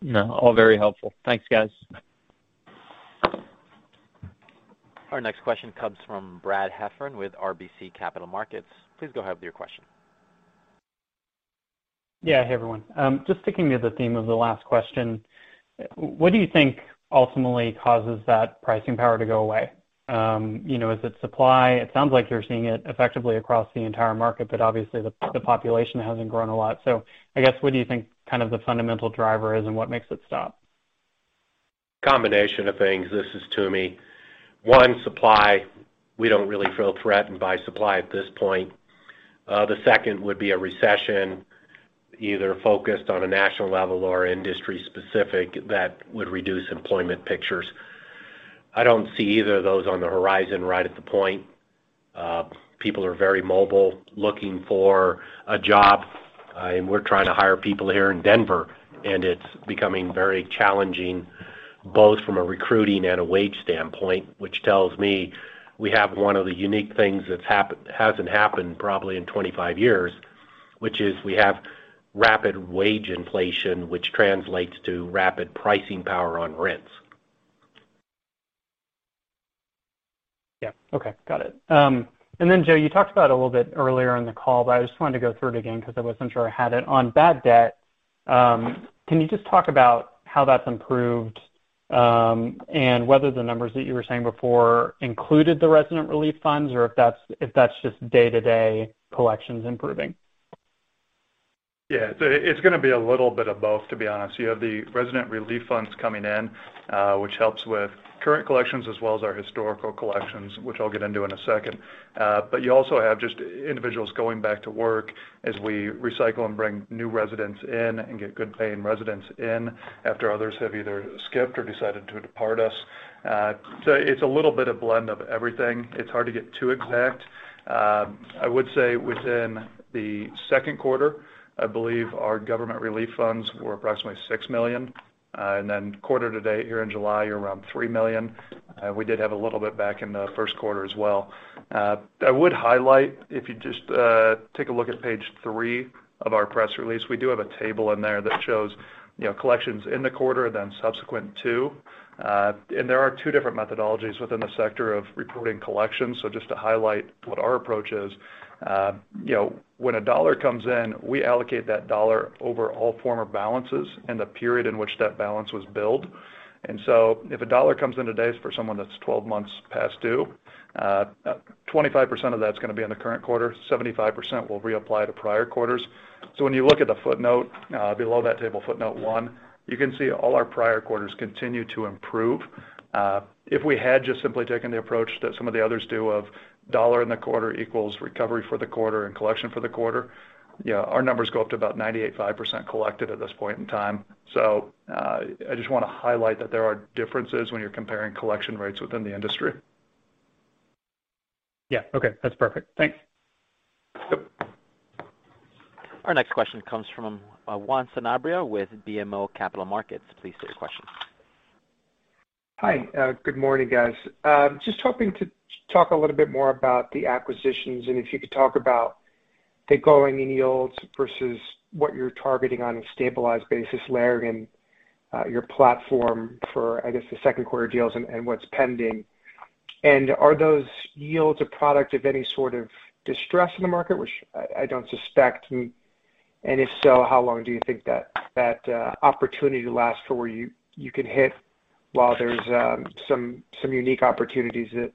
No, all very helpful. Thanks, guys. Our next question comes from Brad Heffern with RBC Capital Markets. Please go ahead with your question. Yeah. Hey, everyone. Just sticking to the theme of the last question, what do you think ultimately causes that pricing power to go away? Is it supply? It sounds like you're seeing it effectively across the entire market, obviously the population hasn't grown a lot. I guess, what do you think the fundamental driver is and what makes it stop? Combination of things. This is Toomey. One, supply. We don't really feel threatened by supply at this point. The second would be a recession, either focused on a national level or industry-specific, that would reduce employment pictures. I don't see either of those on the horizon right at the point. People are very mobile, looking for a job. We're trying to hire people here in Denver, and it's becoming very challenging, both from a recruiting and a wage standpoint, which tells me we have one of the unique things that hasn't happened probably in 25 years, which is we have rapid wage inflation, which translates to rapid pricing power on rents. Yeah. Okay. Got it. Joe, you talked about a little bit earlier in the call, but I just wanted to go through it again because I wasn't sure I had it. On bad debt, can you just talk about how that's improved, and whether the numbers that you were saying before included the resident relief funds, or if that's just day-to-day collections improving? It's going to be a little bit of both, to be honest. You have the resident relief funds coming in, which helps with current collections as well as our historical collections, which I'll get into in a second. You also have just individuals going back to work as we recycle and bring new residents in and get good-paying residents in after others have either skipped or decided to depart us. It's a little bit of blend of everything. It's hard to get too exact. I would say within the second quarter, I believe our government relief funds were approximately $6 million. Quarter to date here in July, you're around $3 million. We did have a little bit back in the first quarter as well. I would highlight, if you just take a look at page 3 of our press release, we do have a table in there that shows collections in the quarter, then subsequent to. There are two different methodologies within the sector of reporting collections. Just to highlight what our approach is. When a dollar comes in, we allocate that dollar over all former balances in the period in which that balance was billed. If a dollar comes in today for someone that's 12 months past due, 25% of that's going to be in the current quarter, 75% will reapply to prior quarters. When you look at the footnote below that table, footnote one, you can see all our prior quarters continue to improve. If we had just simply taken the approach that some of the others do of dollar in the quarter equals recovery for the quarter and collection for the quarter, our numbers go up to about 98.5% collected at this point in time. I just want to highlight that there are differences when you're comparing collection rates within the industry. Yeah. Okay. That's perfect. Thanks. Yep. Our next question comes from Juan Sanabria with BMO Capital Markets. Please state your question. Hi. Good morning guys. Just hoping to talk a little bit more about the acquisitions, and if you could talk about the going yields versus what you're targeting on a stabilized basis layering your platform for, I guess, the second quarter deals and what's pending. Are those yields a product of any sort of distress in the market, which I don't suspect? If so, how long do you think that opportunity to last for where you can hit while there's some unique opportunities that.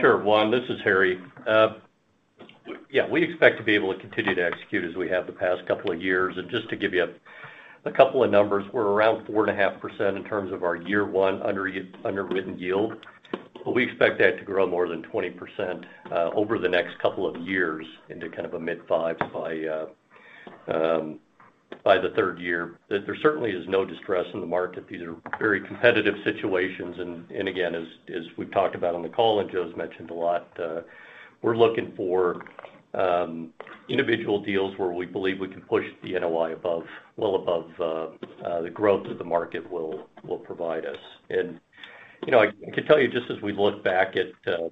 Sure, Juan. This is Harry. Yeah. We expect to be able to continue to execute as we have the past couple of years. Just to give you a couple of numbers, we're around 4.5% in terms of our year one underwritten yield. We expect that to grow more than 20% over the next couple of years into kind of a mid-5s by the 3rd year. There certainly is no distress in the market. These are very competitive situations and again, as we've talked about on the call, and Joe's mentioned a lot, we're looking for individual deals where we believe we can push the NOI well above the growth that the market will provide us. I can tell you, just as we look back at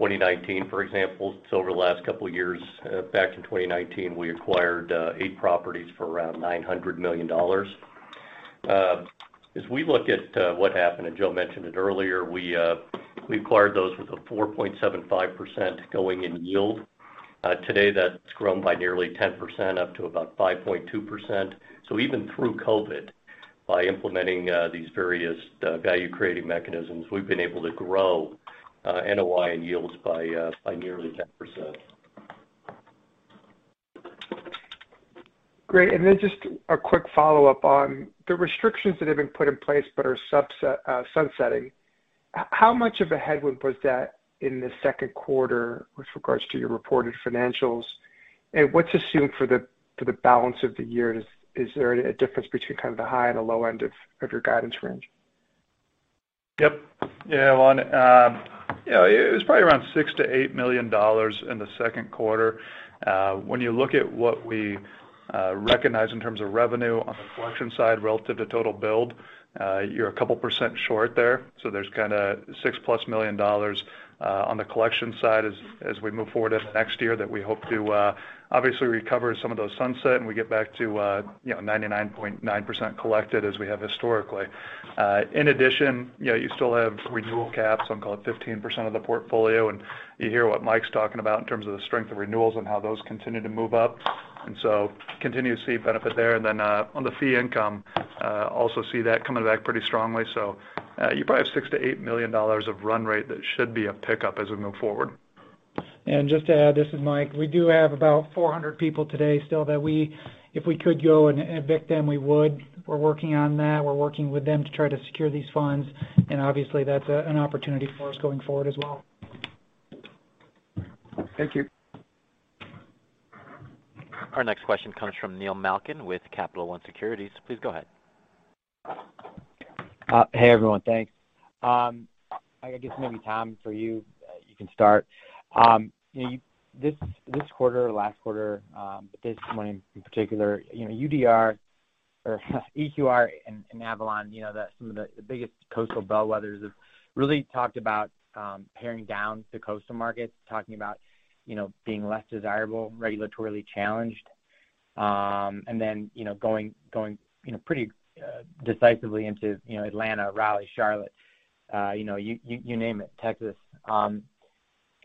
2019, for example, so over the last couple of years, back in 2019, we acquired eight properties for around $900 million. As we look at what happened, and Joe mentioned it earlier, we acquired those with a 4.75% going-in yield. Today, that's grown by nearly 10%, up to about 5.2%. Even through COVID, by implementing these various value-creating mechanisms, we've been able to grow NOI and yields by nearly 10%. Great. Just a quick follow-up on the restrictions that have been put in place but are sunsetting. How much of a headwind was that in the second quarter with regards to your reported financials, and what is assumed for the balance of the year? Is there a difference between kind of the high and the low end of your guidance range? Yep. Yeah. Well, it was probably around $6 million-$8 million in the second quarter. When you look at what we recognize in terms of revenue on the collection side relative to total build, you're a couple % short there. There's kind of $6 plus million on the collection side as we move forward into next year that we hope to obviously recover some of those sunset, and we get back to 99.9% collected as we have historically. In addition, you still have renewal caps on call it 15% of the portfolio, and you hear what Mike's talking about in terms of the strength of renewals and how those continue to move up, continue to see benefit there. On the fee income, also see that coming back pretty strongly. You probably have $6 million-$8 million of run rate that should be a pickup as we move forward. Just to add, this is Mike. We do have about 400 people today still that if we could go and evict them, we would. We're working on that. We're working with them to try to secure these funds, and obviously, that's an opportunity for us going forward as well. Thank you. Our next question comes from Neil Malkin with Capital One Securities. Please go ahead. Hey, everyone. Thanks. I guess maybe Tom, for you can start. This quarter, last quarter, but this one in particular, UDR or EQR and Avalon, some of the biggest coastal bellwethers have really talked about paring down the coastal markets, talking about being less desirable, regulatorily challenged. Then going pretty decisively into Atlanta, Raleigh, Charlotte, you name it, Texas.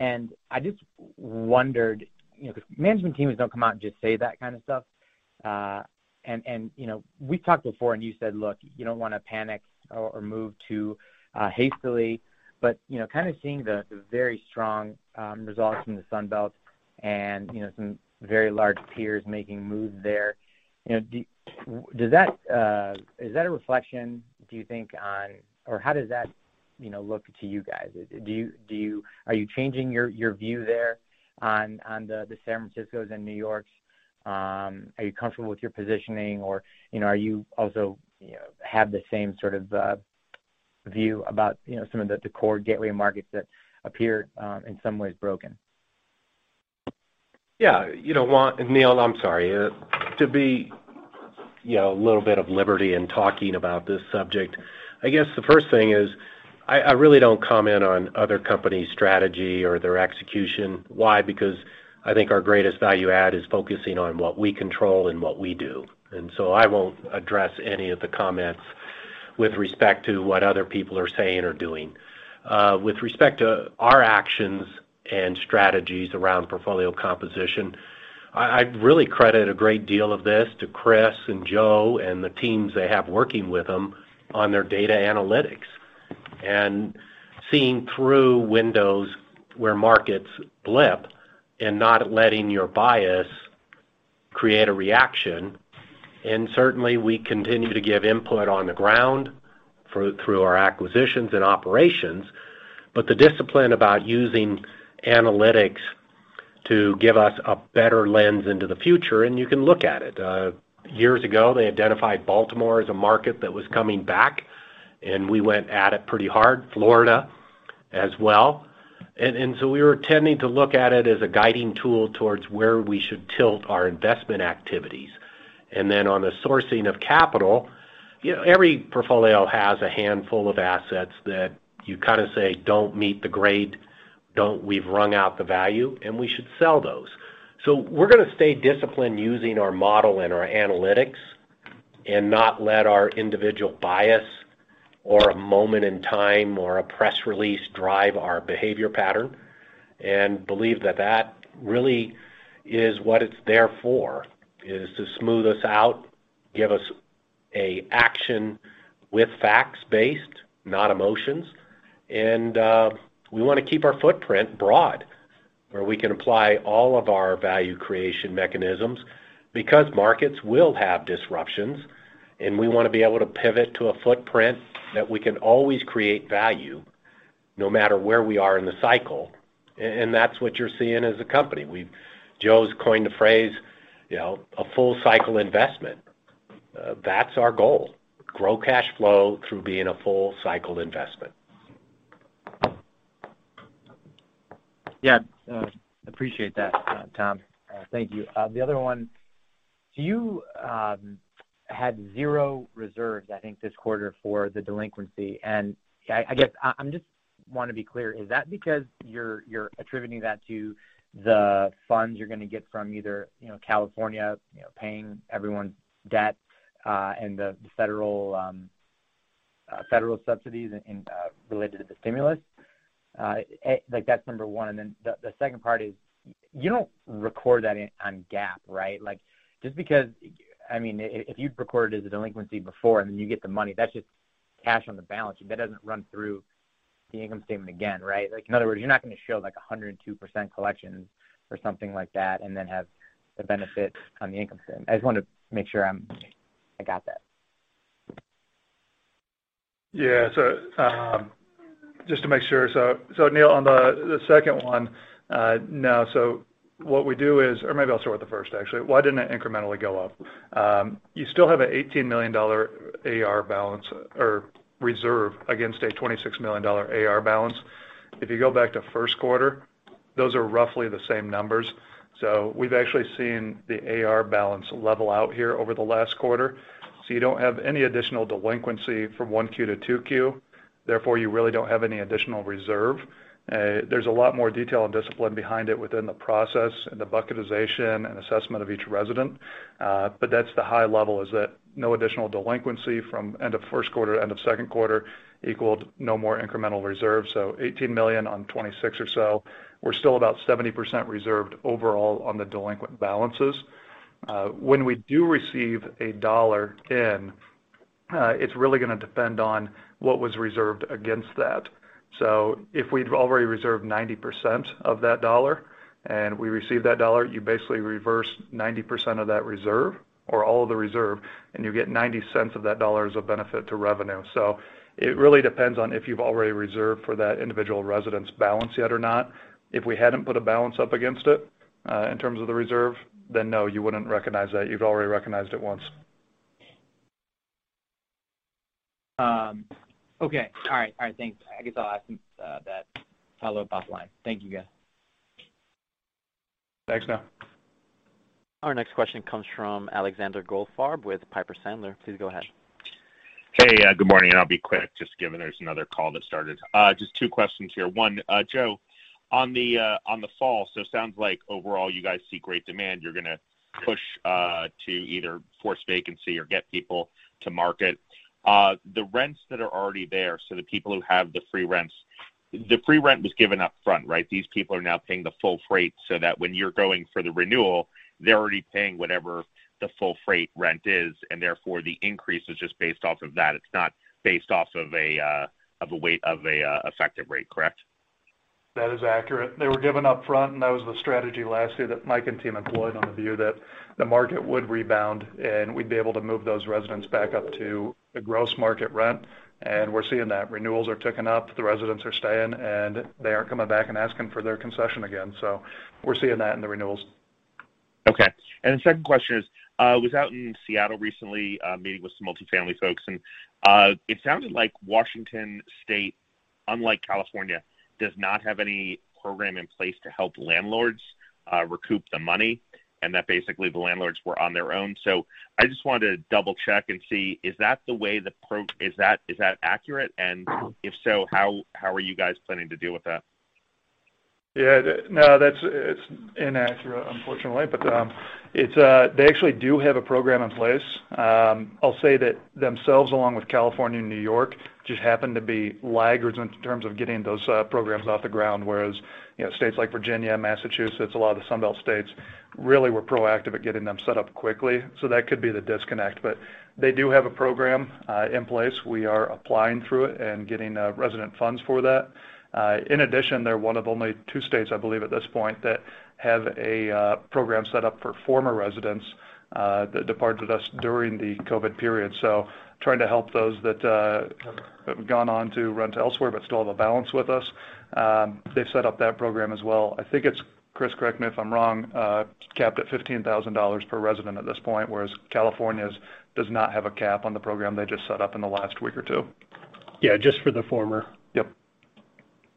I just wondered, because management teams don't come out and just say that kind of stuff. We've talked before, and you said, look, you don't want to panic or move too hastily, but kind of seeing the very strong results from the Sun Belt and some very large peers making moves there. Is that a reflection, do you think on Or how does that look to you guys? Are you changing your view there on the San Franciscos and New Yorks? Are you comfortable with your positioning or are you also have the same sort of view about some of the core gateway markets that appear in some ways broken? Neil, I'm sorry. To be a little bit of liberty in talking about this subject, I guess the first thing is I really don't comment on other companies' strategy or their execution. Why? I think our greatest value add is focusing on what we control and what we do. I won't address any of the comments with respect to what other people are saying or doing. With respect to our actions and strategies around portfolio composition, I really credit a great deal of this to Chris and Joe and the teams they have working with them on their data analytics. Seeing through windows where markets blip and not letting your bias create a reaction. Certainly, we continue to give input on the ground through our acquisitions and operations, but the discipline about using analytics to give us a better lens into the future, and you can look at it. Years ago, they identified Baltimore as a market that was coming back, and we went at it pretty hard. Florida as well. We were tending to look at it as a guiding tool towards where we should tilt our investment activities. On the sourcing of capital, every portfolio has a handful of assets that you kind of say, don't meet the grade, we've wrung out the value, and we should sell those. We're going to stay disciplined using our model and our analytics and not let our individual bias or a moment in time or a press release drive our behavior pattern. believe that that really is what it's there for, is to smooth us out, give us a action with facts based, not emotions. We want to keep our footprint broad, where we can apply all of our value creation mechanisms, because markets will have disruptions, and we want to be able to pivot to a footprint that we can always create value no matter where we are in the cycle. That's what you're seeing as a company. Joe's coined the phrase, a full cycle investment. That's our goal. Grow cash flow through being a full cycle investment. Yeah. Appreciate that, Tom. Thank you. The other one, you had zero reserves, I think, this quarter for the delinquency. I guess, I just want to be clear, is that because you're attributing that to the funds you're going to get from either California paying everyone's debt, and the federal subsidies related to the stimulus? That's number one. Then the 2nd part is, you don't record that on GAAP, right? If you'd recorded it as a delinquency before, and then you get the money, that's just cash on the balance. That doesn't run through the income statement again, right? In other words, you're not going to show 102% collections or something like that and then have the benefit on the income statement. I just wanted to make sure I got that. Yeah. Just to make sure, Neil, on the second one, no. What we do is or maybe I'll start with the first, actually. Why didn't it incrementally go up? You still have an $18 million AR balance or reserve against a $26 million AR balance. If you go back to first quarter, those are roughly the same numbers. We've actually seen the AR balance level out here over the last quarter. You don't have any additional delinquency from 1Q to 2Q. Therefore, you really don't have any additional reserve. There's a lot more detail and discipline behind it within the process and the bucketization and assessment of each resident. That's the high level, is that no additional delinquency from end of first quarter to end of second quarter equaled no more incremental reserve, $18 million on $26 million or so. We're still about 70% reserved overall on the delinquent balances. When we do receive a dollar in, it's really going to depend on what was reserved against that. If we'd already reserved 90% of that dollar and we receive that dollar, you basically reverse 90% of that reserve or all of the reserve, and you get $0.90 of that dollar as a benefit to revenue. It really depends on if you've already reserved for that individual resident's balance yet or not. If we hadn't put a balance up against it, in terms of the reserve, then no, you wouldn't recognize that. You've already recognized it once. Okay. All right. Thanks. I guess I'll ask that follow-up offline. Thank you guys. Thanks Neil. Our next question comes from Alexander Goldfarb with Piper Sandler. Please go ahead. Hey. Good morning. I'll be quick, just given there's another call that started. Just two questions here. One, Joe, on the fall. Sounds like overall you guys see great demand. You're going to push to either force vacancy or get people to market. The rents that are already there. The people who have the free rents. The free rent was given up front, right? These people are now paying the full freight so that when you're going for the renewal, they're already paying whatever the full freight rent is, and therefore the increase is just based off of that. It's not based off of an effective rate, correct? That is accurate. They were given up front, and that was the strategy last year that Mike and team employed on the view that the market would rebound, and we'd be able to move those residents back up to the gross market rent. We're seeing that. Renewals are ticking up. The residents are staying, and they aren't coming back and asking for their concession again. We're seeing that in the renewals. Okay. The second question is, I was out in Seattle recently, meeting with some multifamily folks, and it sounded like Washington State, unlike California, does not have any program in place to help landlords recoup the money, and that basically the landlords were on their own. I just wanted to double-check and see, is that accurate? If so, how are you guys planning to deal with that? Yeah. No, it's inaccurate, unfortunately. They actually do have a program in place. I'll say that themselves, along with California and New York, just happen to be laggards in terms of getting those programs off the ground, whereas states like Virginia, Massachusetts, a lot of the Sun Belt states really were proactive at getting them set up quickly. That could be the disconnect. They do have a program in place. We are applying through it and getting resident funds for that. In addition, they're one of only two states, I believe at this point, that have a program set up for former residents that departed us during the COVID period. Trying to help those that have gone on to rent elsewhere but still have a balance with us. They've set up that program as well. I think it's, Chris, correct me if I'm wrong, capped at $15,000 per resident at this point, whereas California's does not have a cap on the program they just set up in the last week or two. Yeah, just for the former.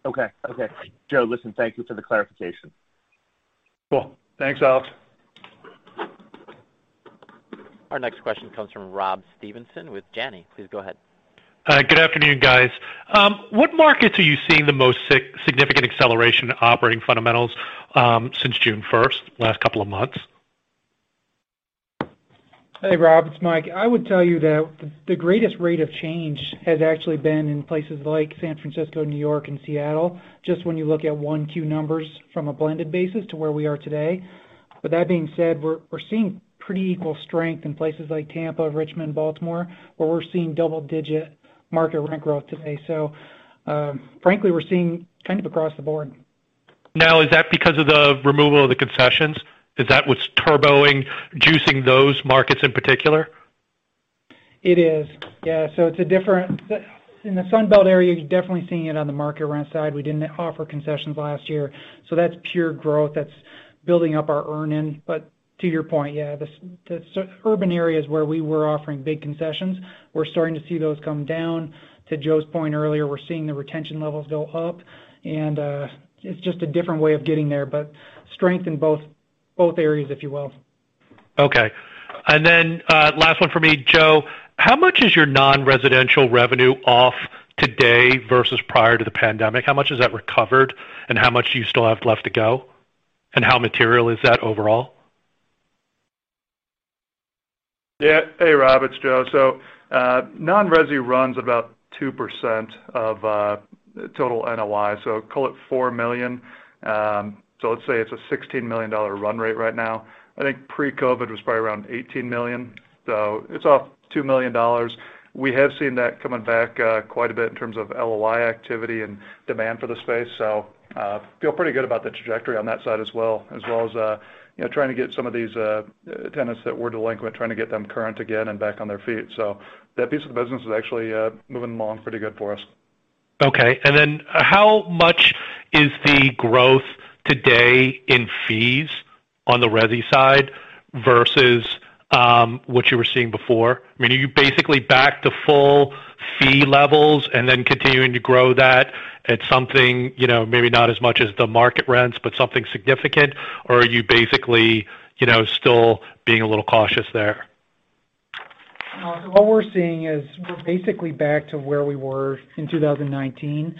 Yep. Okay. Joe, listen, thank you for the clarification. Cool. Thanks Alex. Our next question comes from Rob Stevenson with Janney. Please go ahead. Good afternoon, guys. What markets are you seeing the most significant acceleration operating fundamentals since June 1st, last couple of months? Hey, Rob, it's Mike. I would tell you that the greatest rate of change has actually been in places like San Francisco, New York, and Seattle, just when you look at 1Q numbers from a blended basis to where we are today. With that being said, we're seeing pretty equal strength in places like Tampa, Richmond, and Baltimore, where we're seeing double-digit market rent growth today. Frankly, we're seeing kind of across the board. Is that because of the removal of the concessions? Is that what's turboing, juicing those markets in particular? It is. Yeah. In the Sun Belt area, you're definitely seeing it on the market rent side. We didn't offer concessions last year, so that's pure growth. That's building up our earn-in. To your point, yeah, the urban areas where we were offering big concessions, we're starting to see those come down. To Joe's point earlier, we're seeing the retention levels go up, and it's just a different way of getting there, but strength in both areas, if you will. Okay. Last one for me. Joe, how much is your non-residential revenue off today versus prior to the pandemic? How much has that recovered, and how much do you still have left to go, and how material is that overall? Hey, Rob, it's Joe. Non-residential runs about 2% of total NOI, so call it $4 million. Let's say it's a $16 million run rate right now. I think pre-COVID was probably around $18 million. It's off $2 million. We have seen that coming back quite a bit in terms of LOI activity and demand for the space. Feel pretty good about the trajectory on that side as well, as well as trying to get some of these tenants that were delinquent, trying to get them current again and back on their feet. That piece of the business is actually moving along pretty good for us. Okay. How much is the growth today in fees on the resident side versus what you were seeing before? I mean, are you basically back to full fee levels and then continuing to grow that at something maybe not as much as the market rents, but something significant? Or are you basically still being a little cautious there? What we're seeing is we're basically back to where we were in 2019.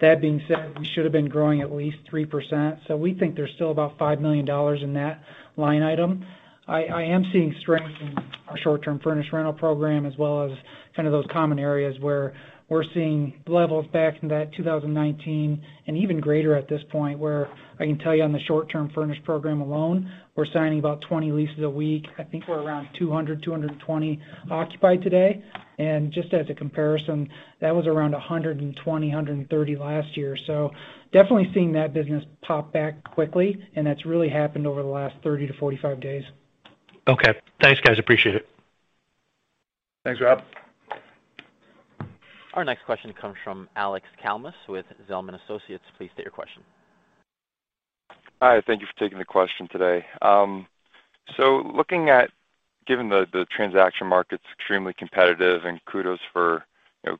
That being said, we should've been growing at least 3%, so we think there's still about $5 million in that line item. I am seeing strength in our short-term furnished rental program, as well as kind of those common areas, where we're seeing levels back in that 2019, and even greater at this point, where I can tell you on the short-term furnished program alone, we're signing about 20 leases a week. I think we're around 200, 220 occupied today. Just as a comparison, that was around 120, 130 last year. Definitely seeing that business pop back quickly, and that's really happened over the last 30 to 45 days. Okay. Thanks, guys. Appreciate it. Thanks Rob. Our next question comes from Alex Kalmus with Zelman & Associates. Please state your question. Hi. Thank you for taking the question today. Given the transaction market's extremely competitive, kudos for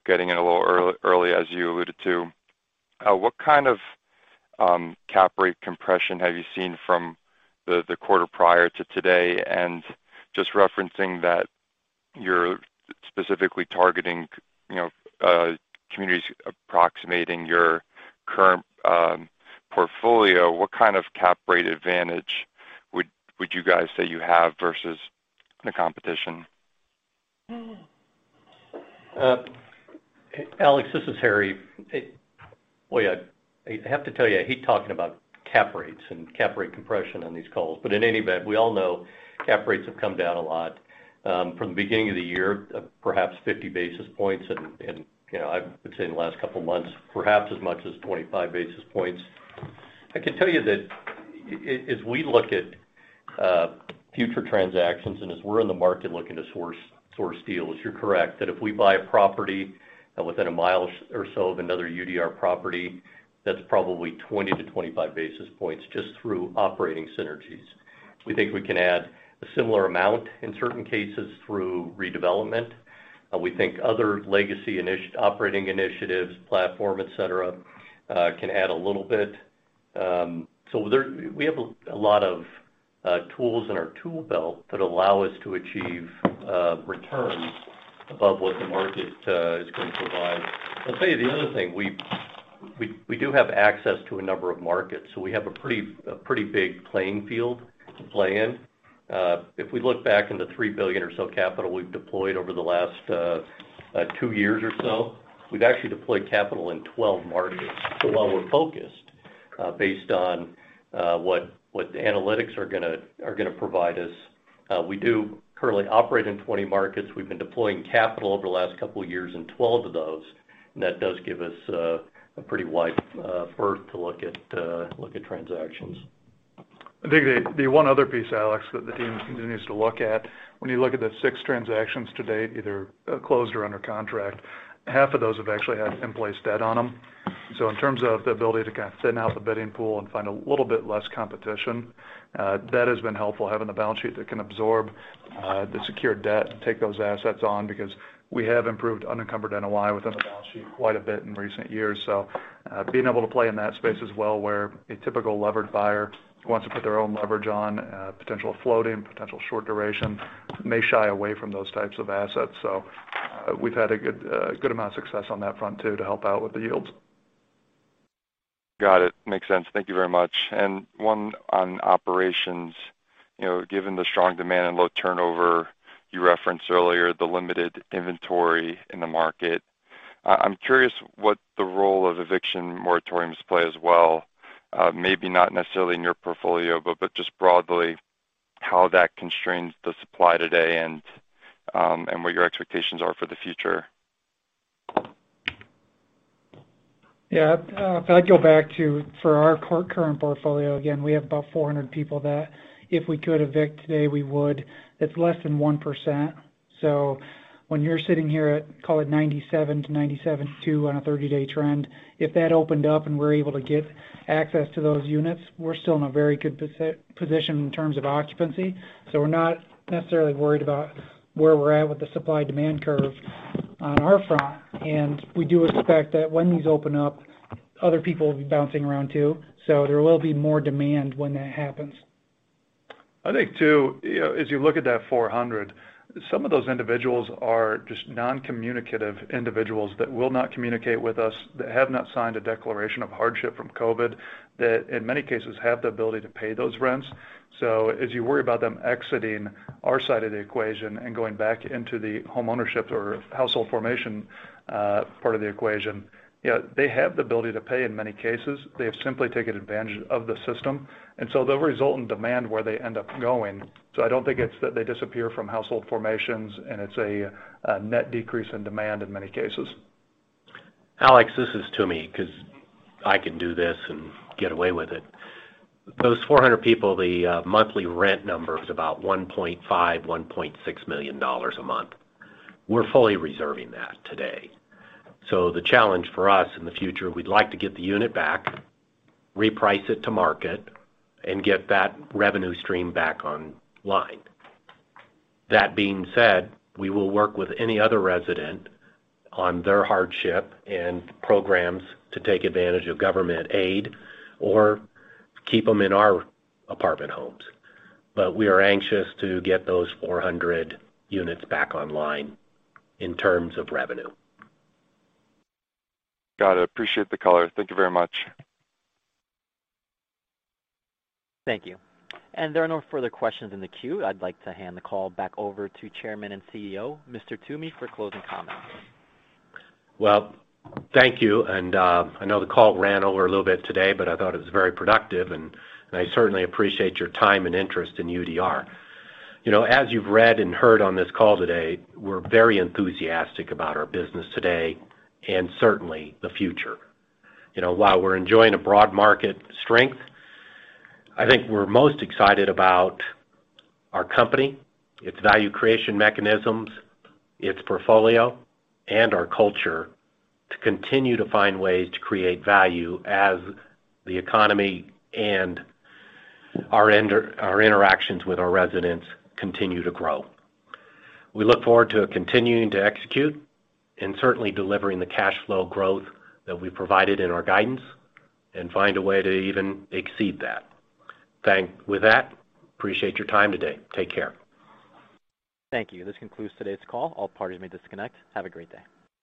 getting in a little early, as you alluded to, what kind of cap rate compression have you seen from the quarter prior to today, and just referencing that you're specifically targeting communities approximating your current portfolio, what kind of cap rate advantage would you guys say you have versus the competition? Alex, this is Harry. Boy, I have to tell you, I hate talking about cap rates and cap rate compression on these calls. In any event, we all know cap rates have come down a lot. From the beginning of the year, perhaps 50 basis points, and I would say in the last couple of months, perhaps as much as 25 basis points. I can tell you that as we look at future transactions and as we're in the market looking to source deals, you're correct, that if we buy a property within a mile or so of another UDR property, that's probably 20 to 25 basis points just through operating synergies. We think we can add a similar amount in certain cases through redevelopment. We think other legacy operating initiatives, platform, et cetera, can add a little bit. We have a lot of tools in our tool belt that allow us to achieve returns above what the market is going to provide. I'll tell you the other thing. We do have access to a number of markets. We have a pretty big playing field to play in. If we look back on the $3 billion or so capital we've deployed over the last two years or so, we've actually deployed capital in 12 markets. While we're focused based on what the analytics are going to provide us, we do currently operate in 20 markets. We've been deploying capital over the last couple of years in 12 of those, and that does give us a pretty wide berth to look at transactions. I think the one other piece, Alex, that the team continues to look at, when you look at the six transactions to date, either closed or under contract, half of those have actually had in-place debt on them. In terms of the ability to kind of thin out the bidding pool and find a little bit less competition, that has been helpful, having the balance sheet that can absorb the secured debt and take those assets on because we have improved unencumbered NOI within the balance sheet quite a bit in recent years. Being able to play in that space as well, where a typical levered buyer who wants to put their own leverage on potential floating, potential short duration, may shy away from those types of assets. We've had a good amount of success on that front too to help out with the yields. Got it. Makes sense. Thank you very much. One on operations. Given the strong demand and low turnover you referenced earlier, the limited inventory in the market. I'm curious what the role of eviction moratoriums play as well, maybe not necessarily in your portfolio, but just broadly how that constrains the supply today and what your expectations are for the future. If I go back to, for our current portfolio, again, we have about 400 people that if we could evict today, we would. It's less than 1%. When you're sitting here at, call it 97%-97.2% on a 30-day trend, if that opened up and we're able to get access to those units, we're still in a very good position in terms of occupancy. We're not necessarily worried about where we're at with the supply-demand curve on our front. We do expect that when these open up, other people will be bouncing around, too. There will be more demand when that happens. I think, too, as you look at that 400, some of those individuals are just non-communicative individuals that will not communicate with us, that have not signed a declaration of hardship from COVID, that in many cases have the ability to pay those rents. As you worry about them exiting our side of the equation and going back into the homeownership or household formation part of the equation, they have the ability to pay in many cases. They have simply taken advantage of the system, and so they'll result in demand where they end up going. I don't think it's that they disappear from household formations, and it's a net decrease in demand in many cases. Alex, this is Toomey, because I can do this and get away with it. Those 400 people, the monthly rent number is about $1.5 million-$1.6 million a month. We're fully reserving that today. The challenge for us in the future, we'd like to get the unit back, reprice it to market, and get that revenue stream back online. That being said, we will work with any other resident on their hardship and programs to take advantage of government aid or keep them in our apartment homes. We are anxious to get those 400 units back online in terms of revenue. Got it. Appreciate the color. Thank you very much. Thank you. There are no further questions in the queue. I'd like to hand the call back over to Chairman and CEO, Mr. Toomey, for closing comments. Well, thank you. I know the call ran over a little bit today, but I thought it was very productive, and I certainly appreciate your time and interest in UDR. As you've read and heard on this call today, we're very enthusiastic about our business today and certainly the future. While we're enjoying a broad market strength, I think we're most excited about our company, its value creation mechanisms, its portfolio, and our culture to continue to find ways to create value as the economy and our interactions with our residents continue to grow. We look forward to continuing to execute and certainly delivering the cash flow growth that we provided in our guidance and find a way to even exceed that. With that, appreciate your time today. Take care. Thank you. This concludes today's call. All parties may disconnect. Have a great day.